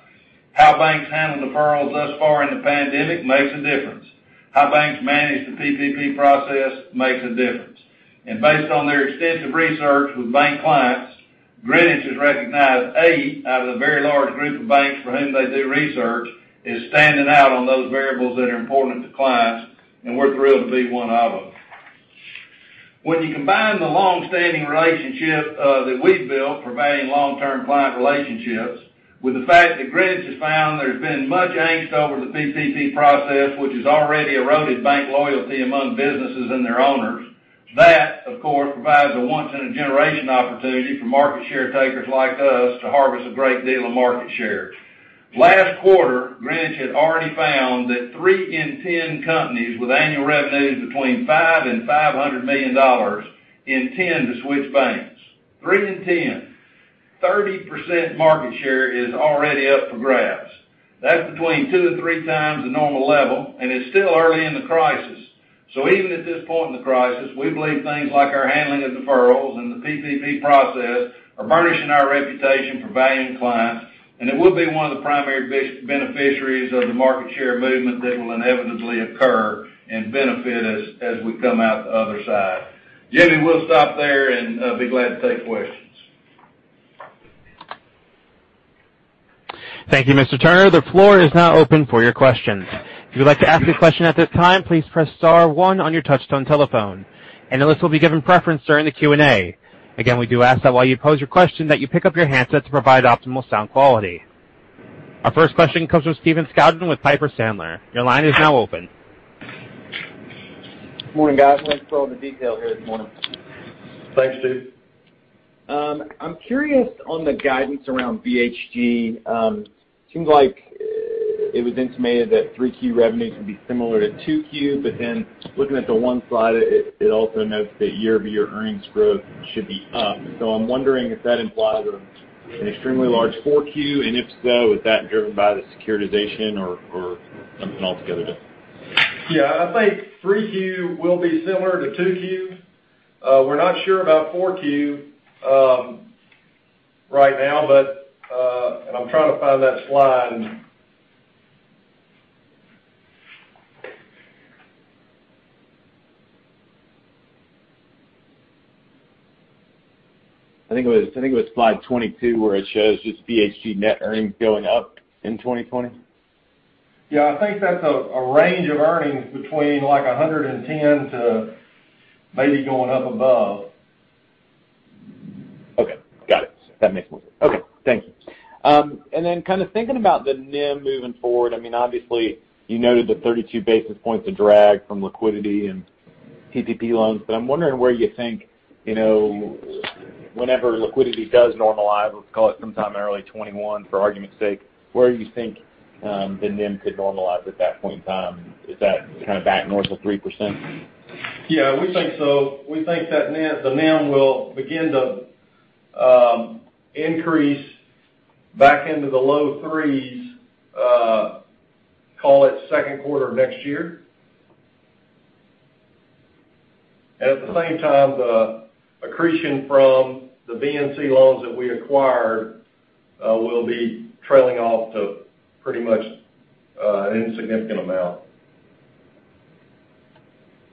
How banks handled the referrals thus far in the pandemic makes a difference. How banks manage the PPP process makes a difference. Based on their extensive research with bank clients, Greenwich has recognized eight out of the very large group of banks for whom they do research, is standing out on those variables that are important to clients, and we're thrilled to be one of them. When you combine the longstanding relationship that we've built for valuing long-term client relationships with the fact that Greenwich has found there's been much angst over the PPP process, which has already eroded bank loyalty among businesses and their owners, that, of course, provides a once-in-a-generation opportunity for market share takers like us to harvest a great deal of market share. Last quarter, Greenwich had already found that three in 10 companies with annual revenues between $5 million and $500 million intend to switch banks. Three in 10. 30% market share is already up for grabs. That's between two to three times the normal level, and it's still early in the crisis. Even at this point in the crisis, we believe things like our handling of deferrals and the PPP process are burnishing our reputation for valuing clients. It will be one of the primary beneficiaries of the market share movement that will inevitably occur and benefit as we come out the other side. Jimmy, we'll stop there and be glad to take questions. Thank you, Mr. Turner. The floor is now open for your questions. If you would like to ask a question at this time, please press star one on your touch-tone telephone. Analysts will be given preference during the Q&A. We do ask that while you pose your question, that you pick up your handset to provide optimal sound quality. Our first question comes from Stephen Scouten with Piper Sandler. Your line is now open. Morning, guys. Thanks for all the detail here this morning. Thanks, Steve. I'm curious on the guidance around BHG. It seems like it was intimated that 3Q revenues would be similar to 2Q. Looking at the one slide, it also notes that year-over-year earnings growth should be up. I'm wondering if that implies an extremely large 4Q, and if so, is that driven by the securitization or something altogether different? I think 3Q will be similar to 2Q. We're not sure about 4Q right now, but I'm trying to find that slide. I think it was slide 22 where it shows just BHG net earnings going up in 2020. Yeah, I think that's a range of earnings between $110 to maybe going up above. Okay. Got it. That makes more sense. Okay, thank you. Kind of thinking about the NIM moving forward, obviously, you noted the 32 basis points of drag from liquidity and PPP loans. I'm wondering where you think, whenever liquidity does normalize, let's call it sometime in early 2021 for argument's sake, where you think the NIM could normalize at that point in time. Is that kind of back north of 3%? Yeah, we think so. We think that the NIM will begin to increase back into the low threes, call it second quarter of next year. At the same time, the accretion from the BNC loans that we acquired will be trailing off to pretty much an insignificant amount.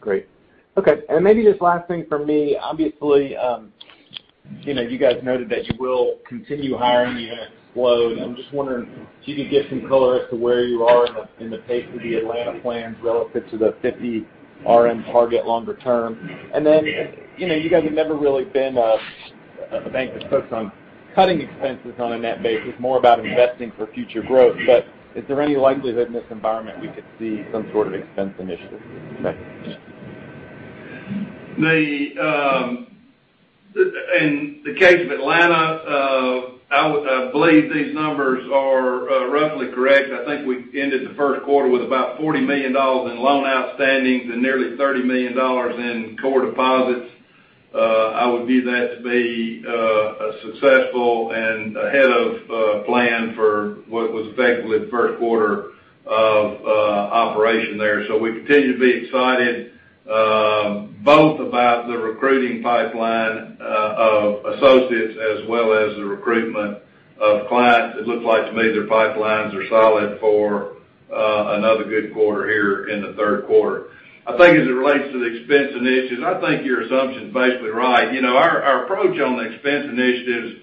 Great. Okay, maybe just last thing from me, obviously, you guys noted that you will continue hiring, even expand. I'm just wondering if you could give some color as to where you are in the pace of the Atlanta plans relative to the 50 RM target longer term. You guys have never really been a bank that's focused on cutting expenses on a net basis, more about investing for future growth. Is there any likelihood in this environment we could see some sort of expense initiative? Thanks. In the case of Atlanta, I believe these numbers are roughly correct. I think we ended the first quarter with about $40 million in loan outstanding and nearly $30 million in core deposits. I would view that to be successful and ahead of plan for what was effectively the first quarter of operation there. We continue to be excited, both about the recruiting pipeline of associates as well as the recruitment of clients. It looks like to me their pipelines are solid for another good quarter here in the third quarter. I think as it relates to the expense initiatives, I think your assumption is basically right. Our approach on the expense initiatives,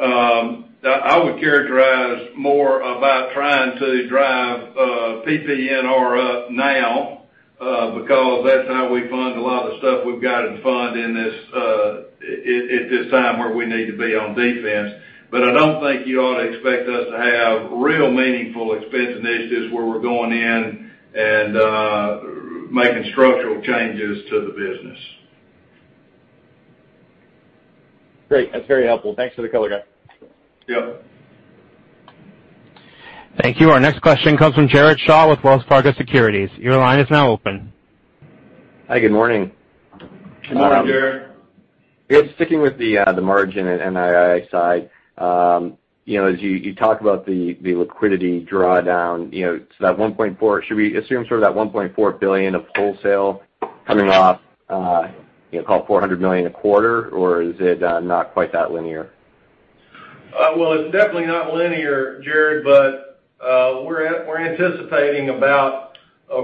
I would characterize more about trying to drive PPNR up now, because that's how we fund a lot of the stuff we've got to fund at this time where we need to be on defense. I don't think you ought to expect us to have real meaningful expense initiatives where we're going in and making structural changes to the business. Great. That's very helpful. Thanks for the color, guy. Yep. Thank you. Our next question comes from Jared Shaw with Wells Fargo Securities. Your line is now open. Hi, good morning. Good morning, Jared. Sticking with the margin and NII side, as you talk about the liquidity drawdown, should we assume sort of that $1.4 billion of wholesale coming off, call it $400 million a quarter, or is it not quite that linear? Well, it's definitely not linear, Jared, but we're anticipating about,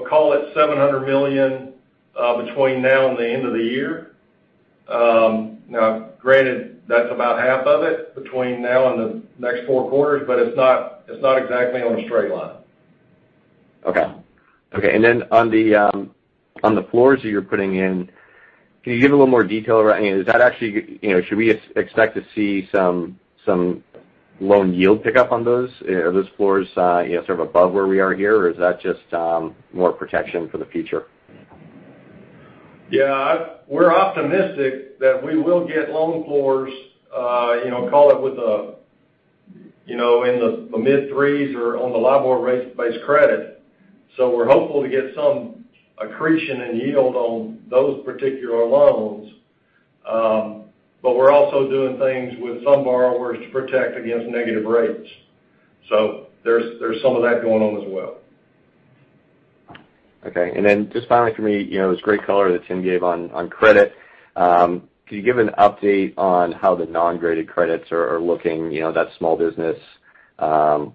call it $700 million between now and the end of the year. Granted, that's about half of it between now and the next four quarters, but it's not exactly on a straight line. Okay. On the floors that you're putting in, can you give a little more detail? Should we expect to see some loan yield pickup on those? Are those floors sort of above where we are here, or is that just more protection for the future? Yeah. We're optimistic that we will get loan floors, call it in the mid threes or on the LIBOR rate base credit. We're hopeful to get some accretion and yield on those particular loans. We're also doing things with some borrowers to protect against negative rates. There's some of that going on as well. Okay. Just finally from me, it was great color that Tim gave on credit. Can you give an update on how the non-graded credits are looking?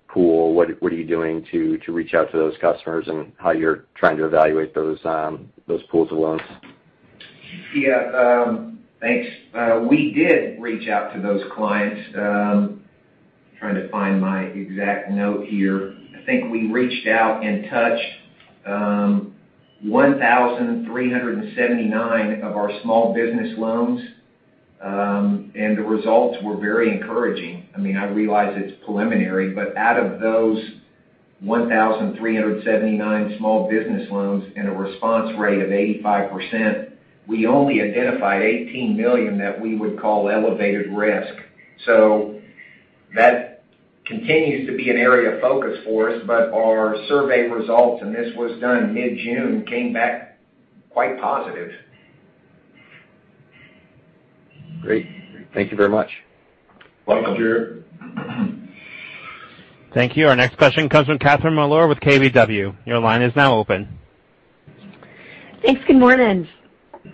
pool. What are you doing to reach out to those customers and how you're trying to evaluate those pools of loans? Yeah. Thanks. We did reach out to those clients. Trying to find my exact note here. I think we reached out and touched 1,379 of our small business loans. The results were very encouraging. I realize it's preliminary, out of those 1,379 small business loans and a response rate of 85%, we only identified $18 million that we would call elevated risk. That continues to be an area of focus for us. Our survey results, and this was done mid-June, came back quite positive. Great. Thank you very much. Welcome, Jared. Thank you. Our next question comes from Catherine Mealor with KBW. Your line is now open. Thanks. Good morning.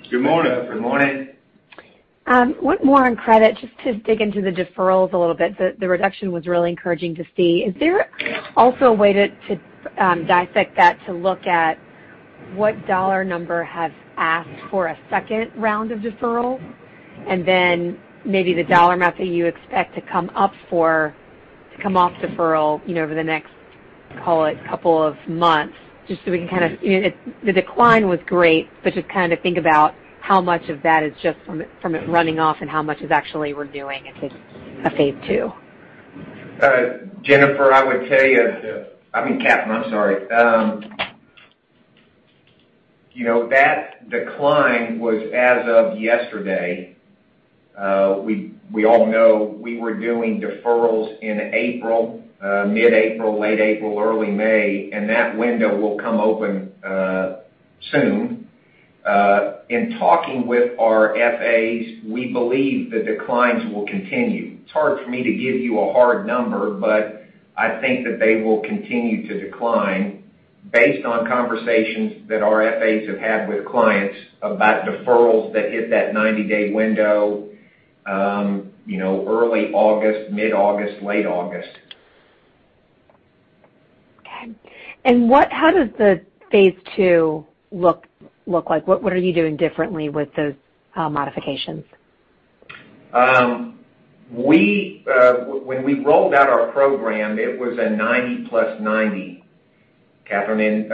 Good morning. Good morning. One more on credit, just to dig into the deferrals a little bit. The reduction was really encouraging to see. Is there also a way to dissect that to look at what dollar number have asked for a second round of deferral? Maybe the dollar amount that you expect to come off deferral, over the next, call it, couple of months. The decline was great, but just kind of think about how much of that is just from it running off and how much is actually redoing a phase II. Jennifer, I would tell you, I mean, Catherine, I'm sorry. That decline was as of yesterday. We all know we were doing deferrals in April, mid-April, late April, early May, and that window will come open soon. In talking with our FAs, we believe the declines will continue. It's hard for me to give you a hard number, but I think that they will continue to decline based on conversations that our FAs have had with clients about deferrals that hit that 90-day window early August, mid-August, late August. Okay. How does the phase 2 look like? What are you doing differently with those modifications? When we rolled out our program, it was a 90 plus 90, Catherine.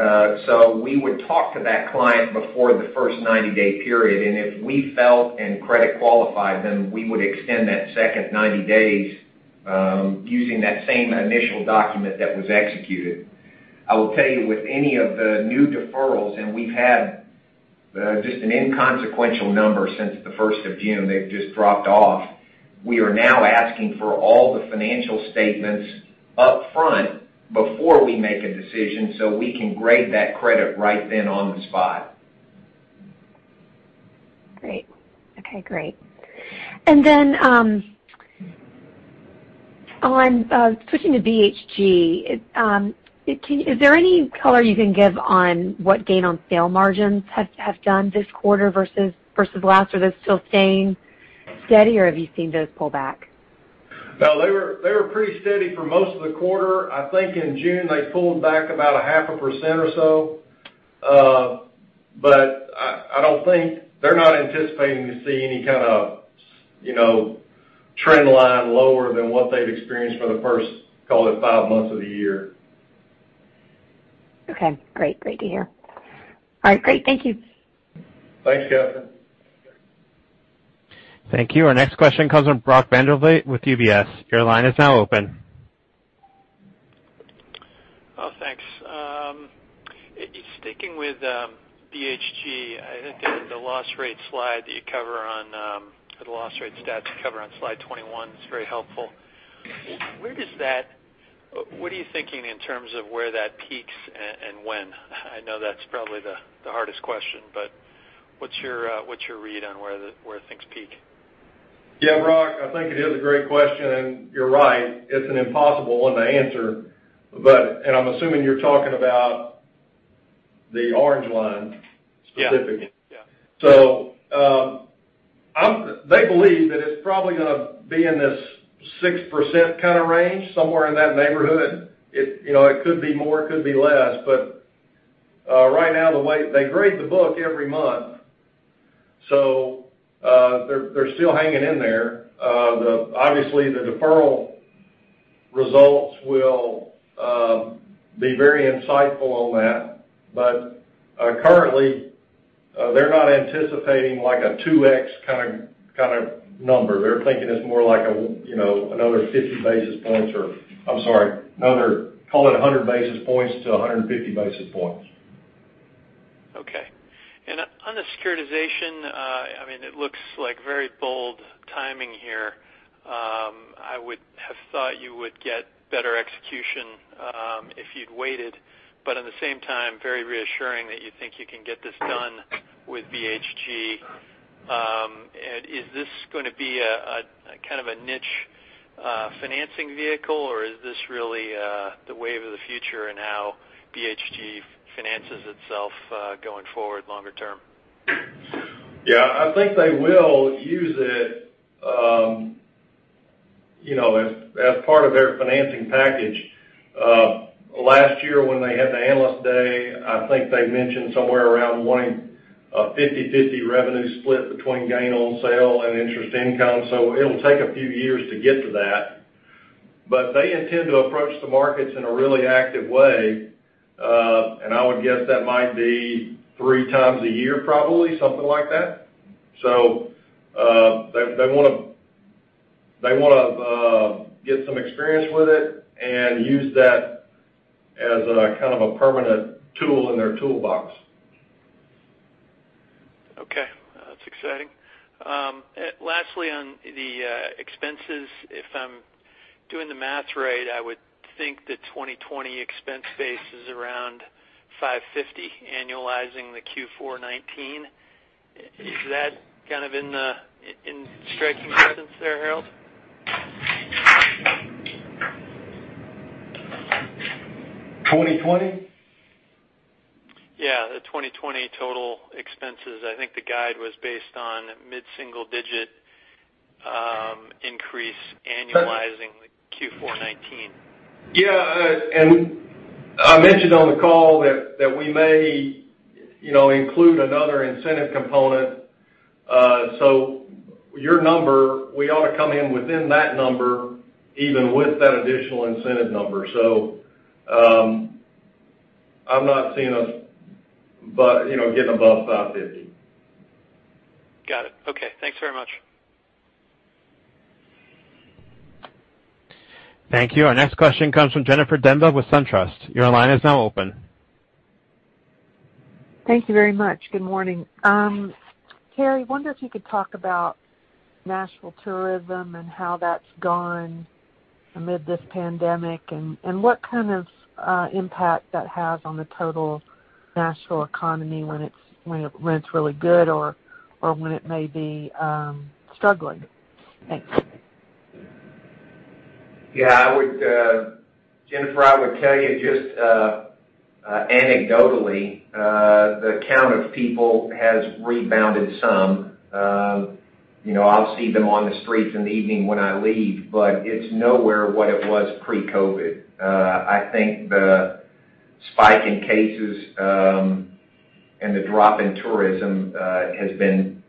We would talk to that client before the first 90-day period, and if we felt and credit qualified them, we would extend that second 90 days using that same initial document that was executed. I will tell you, with any of the new deferrals, and we've had just an inconsequential number since the 1st of June. They've just dropped off. We are now asking for all the financial statements up front before we make a decision so we can grade that credit right then on the spot. Great. Okay, great. On switching to BHG, is there any color you can give on what gain on sale margins have done this quarter versus last? Are those still staying steady, or have you seen those pull back? No, they were pretty steady for most of the quarter. I think in June, they pulled back about a half a percent or so. They're not anticipating to see any kind of trend line lower than what they've experienced for the first, call it, five months of the year. Okay, great to hear. All right, great. Thank you. Thanks, Catherine. Thank you. Our next question comes from Brock Vandervliet. Your line is now open. Oh, thanks. Sticking with BHG, I think the loss rate slide that you cover on the loss rate stats cover on slide 21 is very helpful. What are you thinking in terms of where that peaks and when? I know that's probably the hardest question, but what's your read on where things peak? Yeah, Brock, I think it is a great question, and you're right, it's an impossible one to answer. I'm assuming you're talking about the orange line specifically. Yeah. They believe that it's probably going to be in this 6% kind of range, somewhere in that neighborhood. It could be more, it could be less, but right now, they grade the book every month. They're still hanging in there. Obviously, the deferral results will be very insightful on that. Currently, they're not anticipating like a 2x kind of number. They're thinking it's more like another 50 basis points, or, I'm sorry, another, call it 100 basis points to 150 basis points. Okay. On the securitization, it looks like very bold timing here. I would have thought you would get better execution if you'd waited, but at the same time, very reassuring that you think you can get this done with BHG. Is this going to be a kind of a niche financing vehicle, or is this really the wave of the future in how BHG finances itself going forward longer term? Yeah, I think they will use it as part of their financing package. Last year when they had the Analyst Day, I think they mentioned somewhere around wanting a 50/50 revenue split between gain on sale and interest income. It'll take a few years to get to that. They intend to approach the markets in a really active way. I would guess that might be three times a year probably, something like that. They want to get some experience with it and use that as a kind of a permanent tool in their toolbox. Okay. That's exciting. Lastly, on the expenses, if I'm doing the math right, I would think the 2020 expense base is around $550, annualizing the Q4 2019. Is that kind of in striking distance there, Harold? 2020? Yeah, the 2020 total expenses. I think the guide was based on mid-single digit increase annualizing the Q4 2019. Yeah. I mentioned on the call that we may include another incentive component. Your number, we ought to come in within that number, even with that additional incentive number. I'm not seeing us getting above $550. Got it. Okay. Thanks very much. Thank you. Our next question comes from Jennifer Demba with SunTrust. Your line is now open. Thank you very much. Good morning. Terry, I wonder if you could talk about Nashville tourism and how that's gone amid this pandemic, and what kind of impact that has on the total Nashville economy when it's really good or when it may be struggling. Thanks. Yeah, Jennifer, I would tell you just anecdotally, the count of people has rebounded some. I'll see them on the streets in the evening when I leave, but it's nowhere what it was pre-COVID. I think the spike in cases, the drop in tourism, has been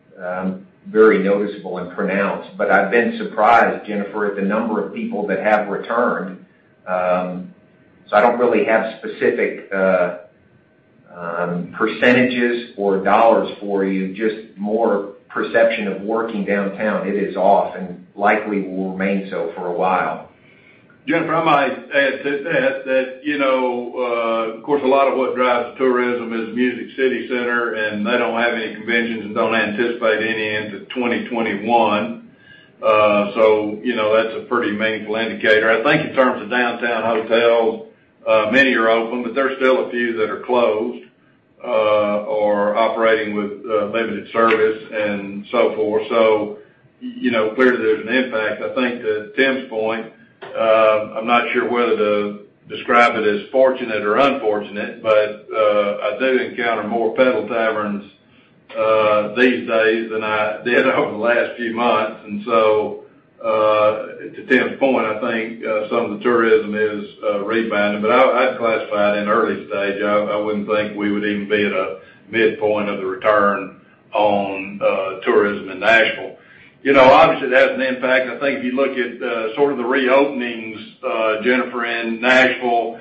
very noticeable and pronounced. I've been surprised, Jennifer, at the number of people that have returned. I don't really have specific % or dollars for you, just more perception of working downtown. It is off and likely will remain so for a while. Jennifer, I might add to that, of course, a lot of what drives tourism is Music City Center. They don't have any conventions and don't anticipate any into 2021. That's a pretty meaningful indicator. I think in terms of downtown hotels, many are open. There's still a few that are closed or operating with limited service and so forth. Clearly there's an impact. I think to Tim's point, I'm not sure whether to describe it as fortunate or unfortunate. I do encounter more pedal taverns these days than I did over the last few months. To Tim's point, I think some of the tourism is rebounding. I'd classify it in early stage. I wouldn't think we would even be at a midpoint of the return on tourism in Nashville. Obviously, it has an impact. I think if you look at sort of the reopenings, Jennifer, in Nashville,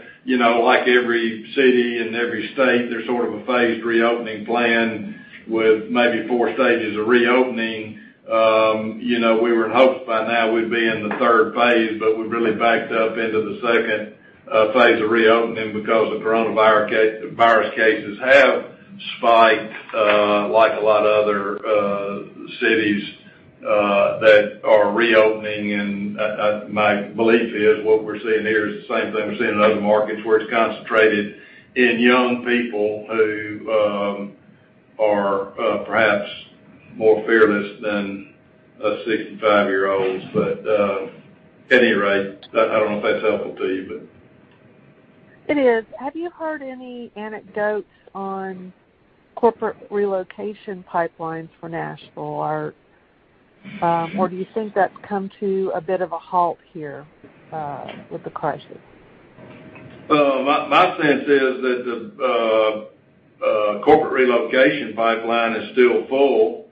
like every city and every state, there's sort of a phased reopening plan with maybe 4 stages of reopening. We were in hopes by now we'd be in the third phase, but we've really backed up into the second phase of reopening because the coronavirus cases have spiked, like a lot of other cities that are reopening. My belief is what we're seeing here is the same thing we're seeing in other markets, where it's concentrated in young people who are perhaps more fearless than us 65-year-olds. At any rate, I don't know if that's helpful to you. It is. Have you heard any anecdotes on corporate relocation pipelines for Nashville, or do you think that's come to a bit of a halt here with the crisis? My sense is that the corporate relocation pipeline is still full.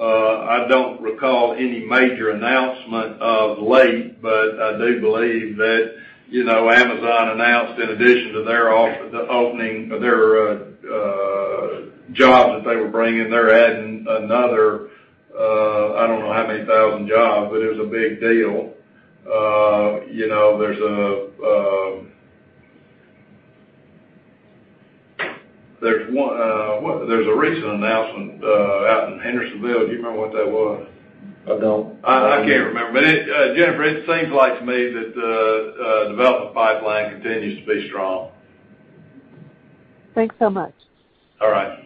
I don't recall any major announcement of late, but I do believe that Amazon announced, in addition to their jobs that they were bringing, they're adding another, I don't know how many thousand jobs, but it was a big deal. There's a recent announcement out in Hendersonville. Do you remember what that was? I don't. I can't remember. Jennifer, it seems like to me that the development pipeline continues to be strong. Thanks so much. All right.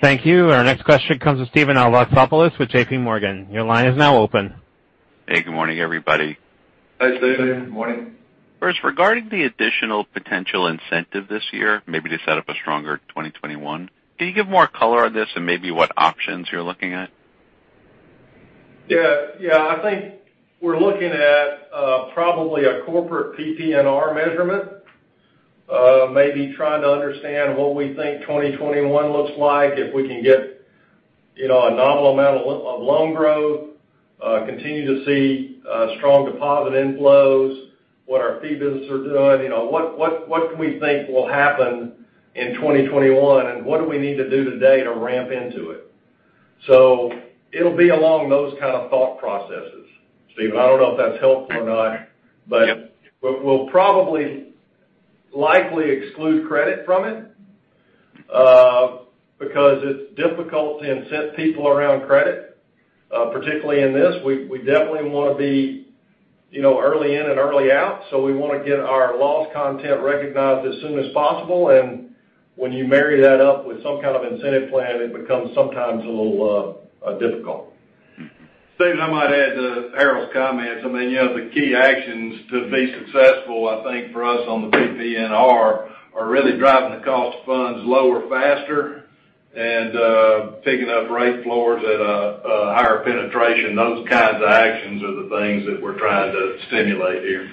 Thank you. Our next question comes with Steven Alexopoulos with JPMorgan. Your line is now open. Hey, good morning, everybody. Hey, Stephen. Good morning. Regarding the additional potential incentive this year, maybe to set up a stronger 2021, can you give more color on this and maybe what options you're looking at? Yeah. I think we're looking at probably a corporate PPNR measurement, maybe trying to understand what we think 2021 looks like, if we can get a nominal amount of loan growth, continue to see strong deposit inflows, what our fee businesses are doing, what we think will happen in 2021, and what do we need to do today to ramp into it. It'll be along those kind of thought processes, Stephen. I don't know if that's helpful or not. Yep. We'll probably, likely exclude credit from it, because it's difficult to incent people around credit, particularly in this. We definitely want to be early in and early out, so we want to get our loss content recognized as soon as possible. When you marry that up with some kind of incentive plan, it becomes sometimes a little difficult. Stephen, I might add to Harold's comments. The key actions to be successful, I think, for us on the PPNR, are really driving the cost of funds lower faster and picking up rate floors at a higher penetration. Those kinds of actions are the things that we're trying to stimulate here.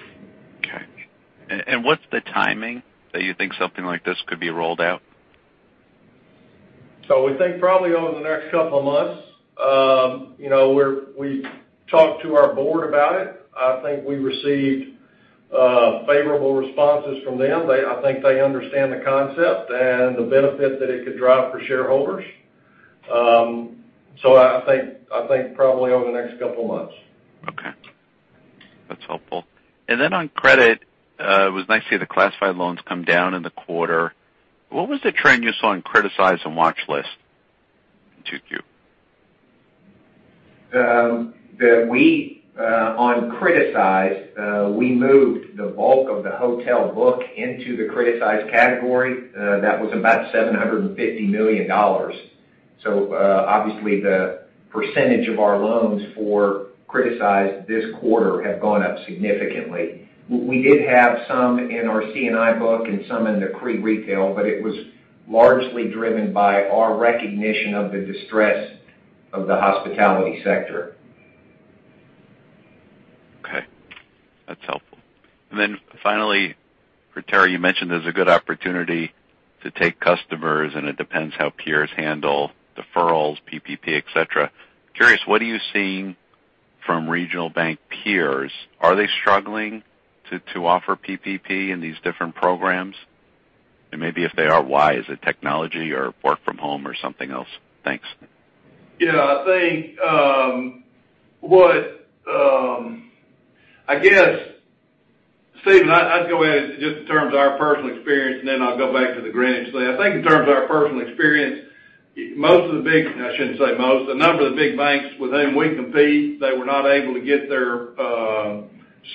Okay. What's the timing that you think something like this could be rolled out? We think probably over the next couple of months. We talked to our board about it. I think we received favorable responses from them. I think they understand the concept and the benefit that it could drive for shareholders. I think probably over the next couple of months. Okay. That's helpful. On credit, it was nice to see the classified loans come down in the quarter. What was the trend you saw on criticized and watch list in 2Q? On criticized, we moved the bulk of the hotel book into the criticized category. That was about $750 million. Obviously, the % of our loans for criticized this quarter have gone up significantly. We did have some in our C&I book and some in the crit retail, but it was largely driven by our recognition of the distress of the hospitality sector. Okay. That's helpful. Then finally, for Terry, you mentioned there's a good opportunity to take customers, and it depends how peers handle deferrals, PPP, et cetera. Curious, what are you seeing from regional bank peers? Are they struggling to offer PPP in these different programs? Maybe if they are, why? Is it technology or work from home or something else? Thanks. Yeah. Stephen, I'd go at it just in terms of our personal experience, and then I'll go back to the Greenwich thing. I think in terms of our personal experience, a number of the big banks with whom we compete, they were not able to get their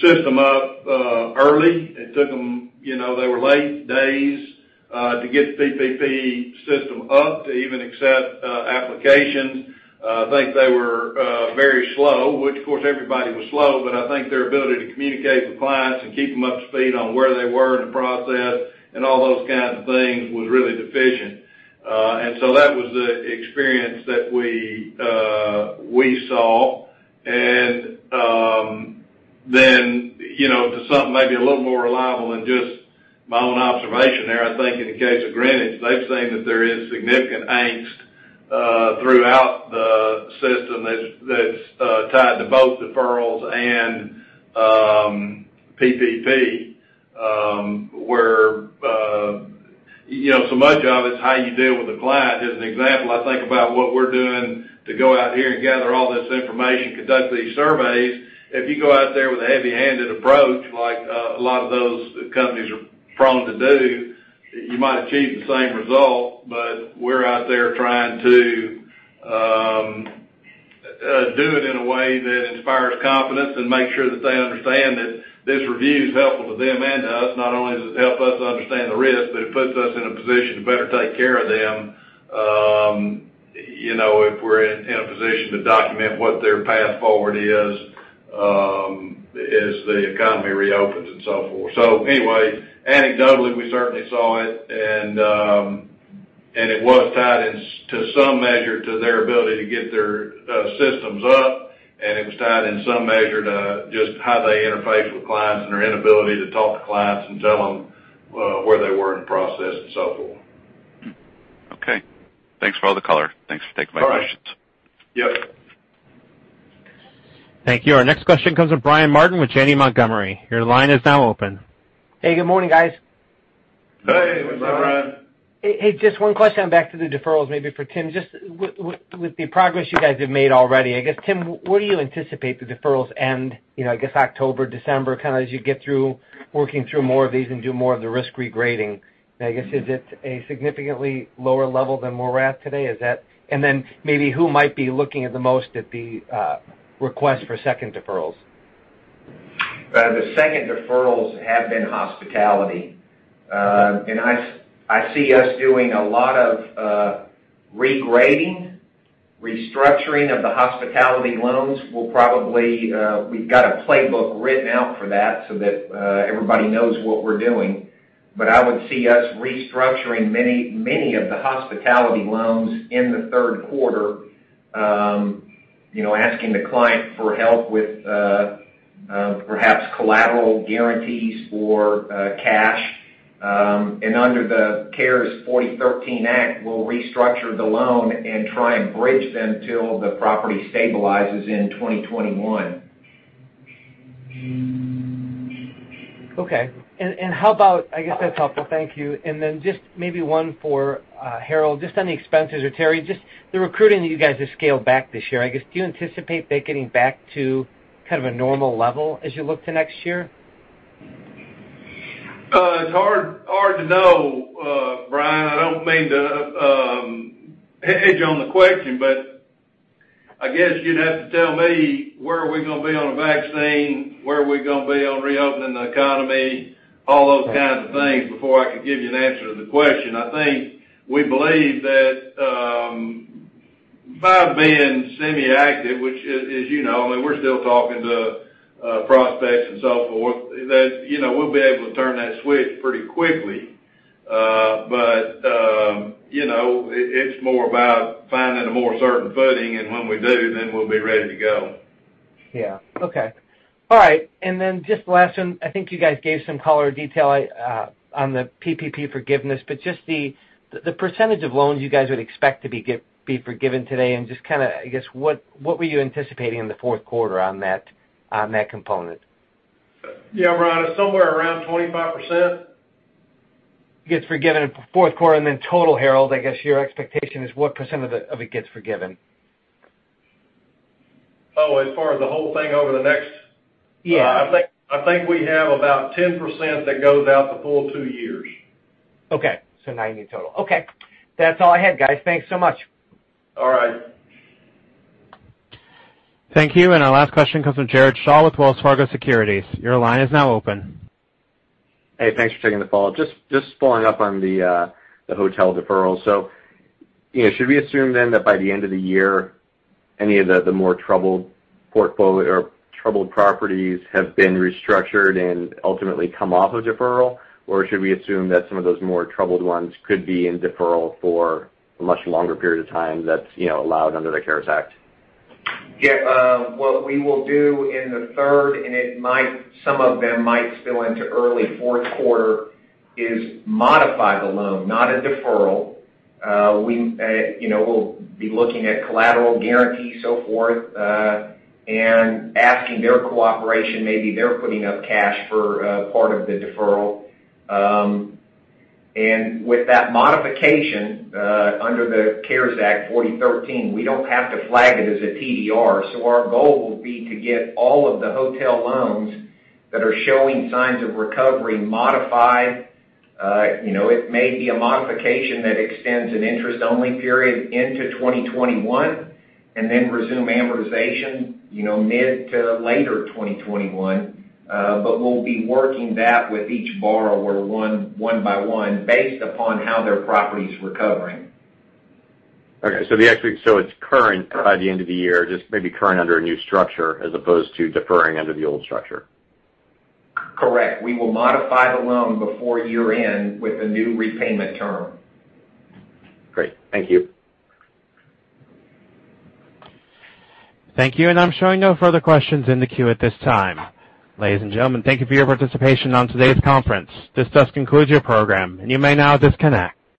system up early. They were late days to get the PPP system up to even accept applications. I think they were very slow, which, of course, everybody was slow, but I think their ability to communicate with clients and keep them up to speed on where they were in the process and all those kinds of things was really deficient. That was the experience that we saw. To something maybe a little more reliable than just my own observation there, I think in the case of Greenwich, they've seen that there is significant angst throughout the system that's tied to both deferrals and PPP, where so much of it's how you deal with the client. As an example, I think about what we're doing to go out here and gather all this information, conduct these surveys. If you go out there with a heavy-handed approach, like a lot of those companies are prone to do, you might achieve the same result, but we're out there trying to do it in a way that inspires confidence and makes sure that they understand that this review is helpful to them and to us. Not only does it help us understand the risk, but it puts us in a position to better take care of them, if we're in a position to document what their path forward is as the economy reopens and so forth. Anyway, anecdotally, we certainly saw it, and it was tied, to some measure, to their ability to get their systems up, and it was tied, in some measure, to just how they interface with clients and their inability to talk to clients and tell them where they were in the process and so forth. Okay. Thanks for all the color. Thanks for taking my questions. All right. Yep. Thank you. Our next question comes with Brian Martin with Janney Montgomery. Your line is now open. Hey, good morning, guys. Hey. Good morning, Brian. Hey, just one question back to the deferrals, maybe for Tim. Just with the progress you guys have made already, I guess, Tim, where do you anticipate the deferrals end, I guess October, December, kind of as you get through working through more of these and do more of the risk regrading? I guess, is it a significantly lower level than where we're at today? Maybe who might be looking the most at the request for second deferrals? The second deferrals have been hospitality. I see us doing a lot of regrading, restructuring of the hospitality loans. We've got a playbook written out for that so that everybody knows what we're doing. I would see us restructuring many of the hospitality loans in the third quarter, asking the client for help with perhaps collateral guarantees for cash. Under the CARES 4013 Act, we'll restructure the loan and try and bridge them till the property stabilizes in 2021. Okay. I guess that's helpful. Thank you. Then just maybe one for Harold, just on the expenses, or Terry, just the recruiting that you guys have scaled back this year, I guess, do you anticipate that getting back to kind of a normal level as you look to next year? It's hard to know, Brian. I don't mean to hedge on the question. I guess you'd have to tell me where are we going to be on a vaccine? Where are we going to be on reopening the economy? All those kinds of things before I could give you an answer to the question. I think we believe that by being semi-active, which as you know, I mean, we're still talking to prospects and so forth, that we'll be able to turn that switch pretty quickly. It's more about finding a more certain footing, and when we do, then we'll be ready to go. Yeah. Okay. All right. Just last one, I think you guys gave some color detail on the PPP forgiveness, but just the percentage of loans you guys would expect to be forgiven today and just kind of, I guess, what were you anticipating in the fourth quarter on that component? Yeah, Brian, it's somewhere around 25%. Gets forgiven in fourth quarter, and then total, Harold, I guess your expectation is what % of it gets forgiven? Oh, as far as the whole thing over the next. Yeah. I think we have about 10% that goes out the full two years. Okay. 90 total. Okay, that's all I had, guys. Thanks so much. All right. Thank you. Our last question comes from Jared Shaw with Wells Fargo Securities. Your line is now open. Hey, thanks for taking the call. Just following up on the hotel deferral. Should we assume then that by the end of the year, any of the more troubled properties have been restructured and ultimately come off of deferral? Should we assume that some of those more troubled ones could be in deferral for a much longer period of time that's allowed under the CARES Act? Yeah. What we will do in the third, and some of them might spill into early fourth quarter, is modify the loan, not a deferral. We'll be looking at collateral guarantees, so forth, and asking their cooperation. Maybe they're putting up cash for part of the deferral. With that modification, under the CARES Act Section 4013, we don't have to flag it as a TDR. Our goal will be to get all of the hotel loans that are showing signs of recovery modified. It may be a modification that extends an interest-only period into 2021 and then resume amortization mid to later 2021. We'll be working that with each borrower one by one based upon how their property's recovering. Okay. It's current by the end of the year, just maybe current under a new structure as opposed to deferring under the old structure. Correct. We will modify the loan before year-end with a new repayment term. Great. Thank you. Thank you. I'm showing no further questions in the queue at this time. Ladies and gentlemen, thank you for your participation on today's conference. This does conclude your program, and you may now disconnect.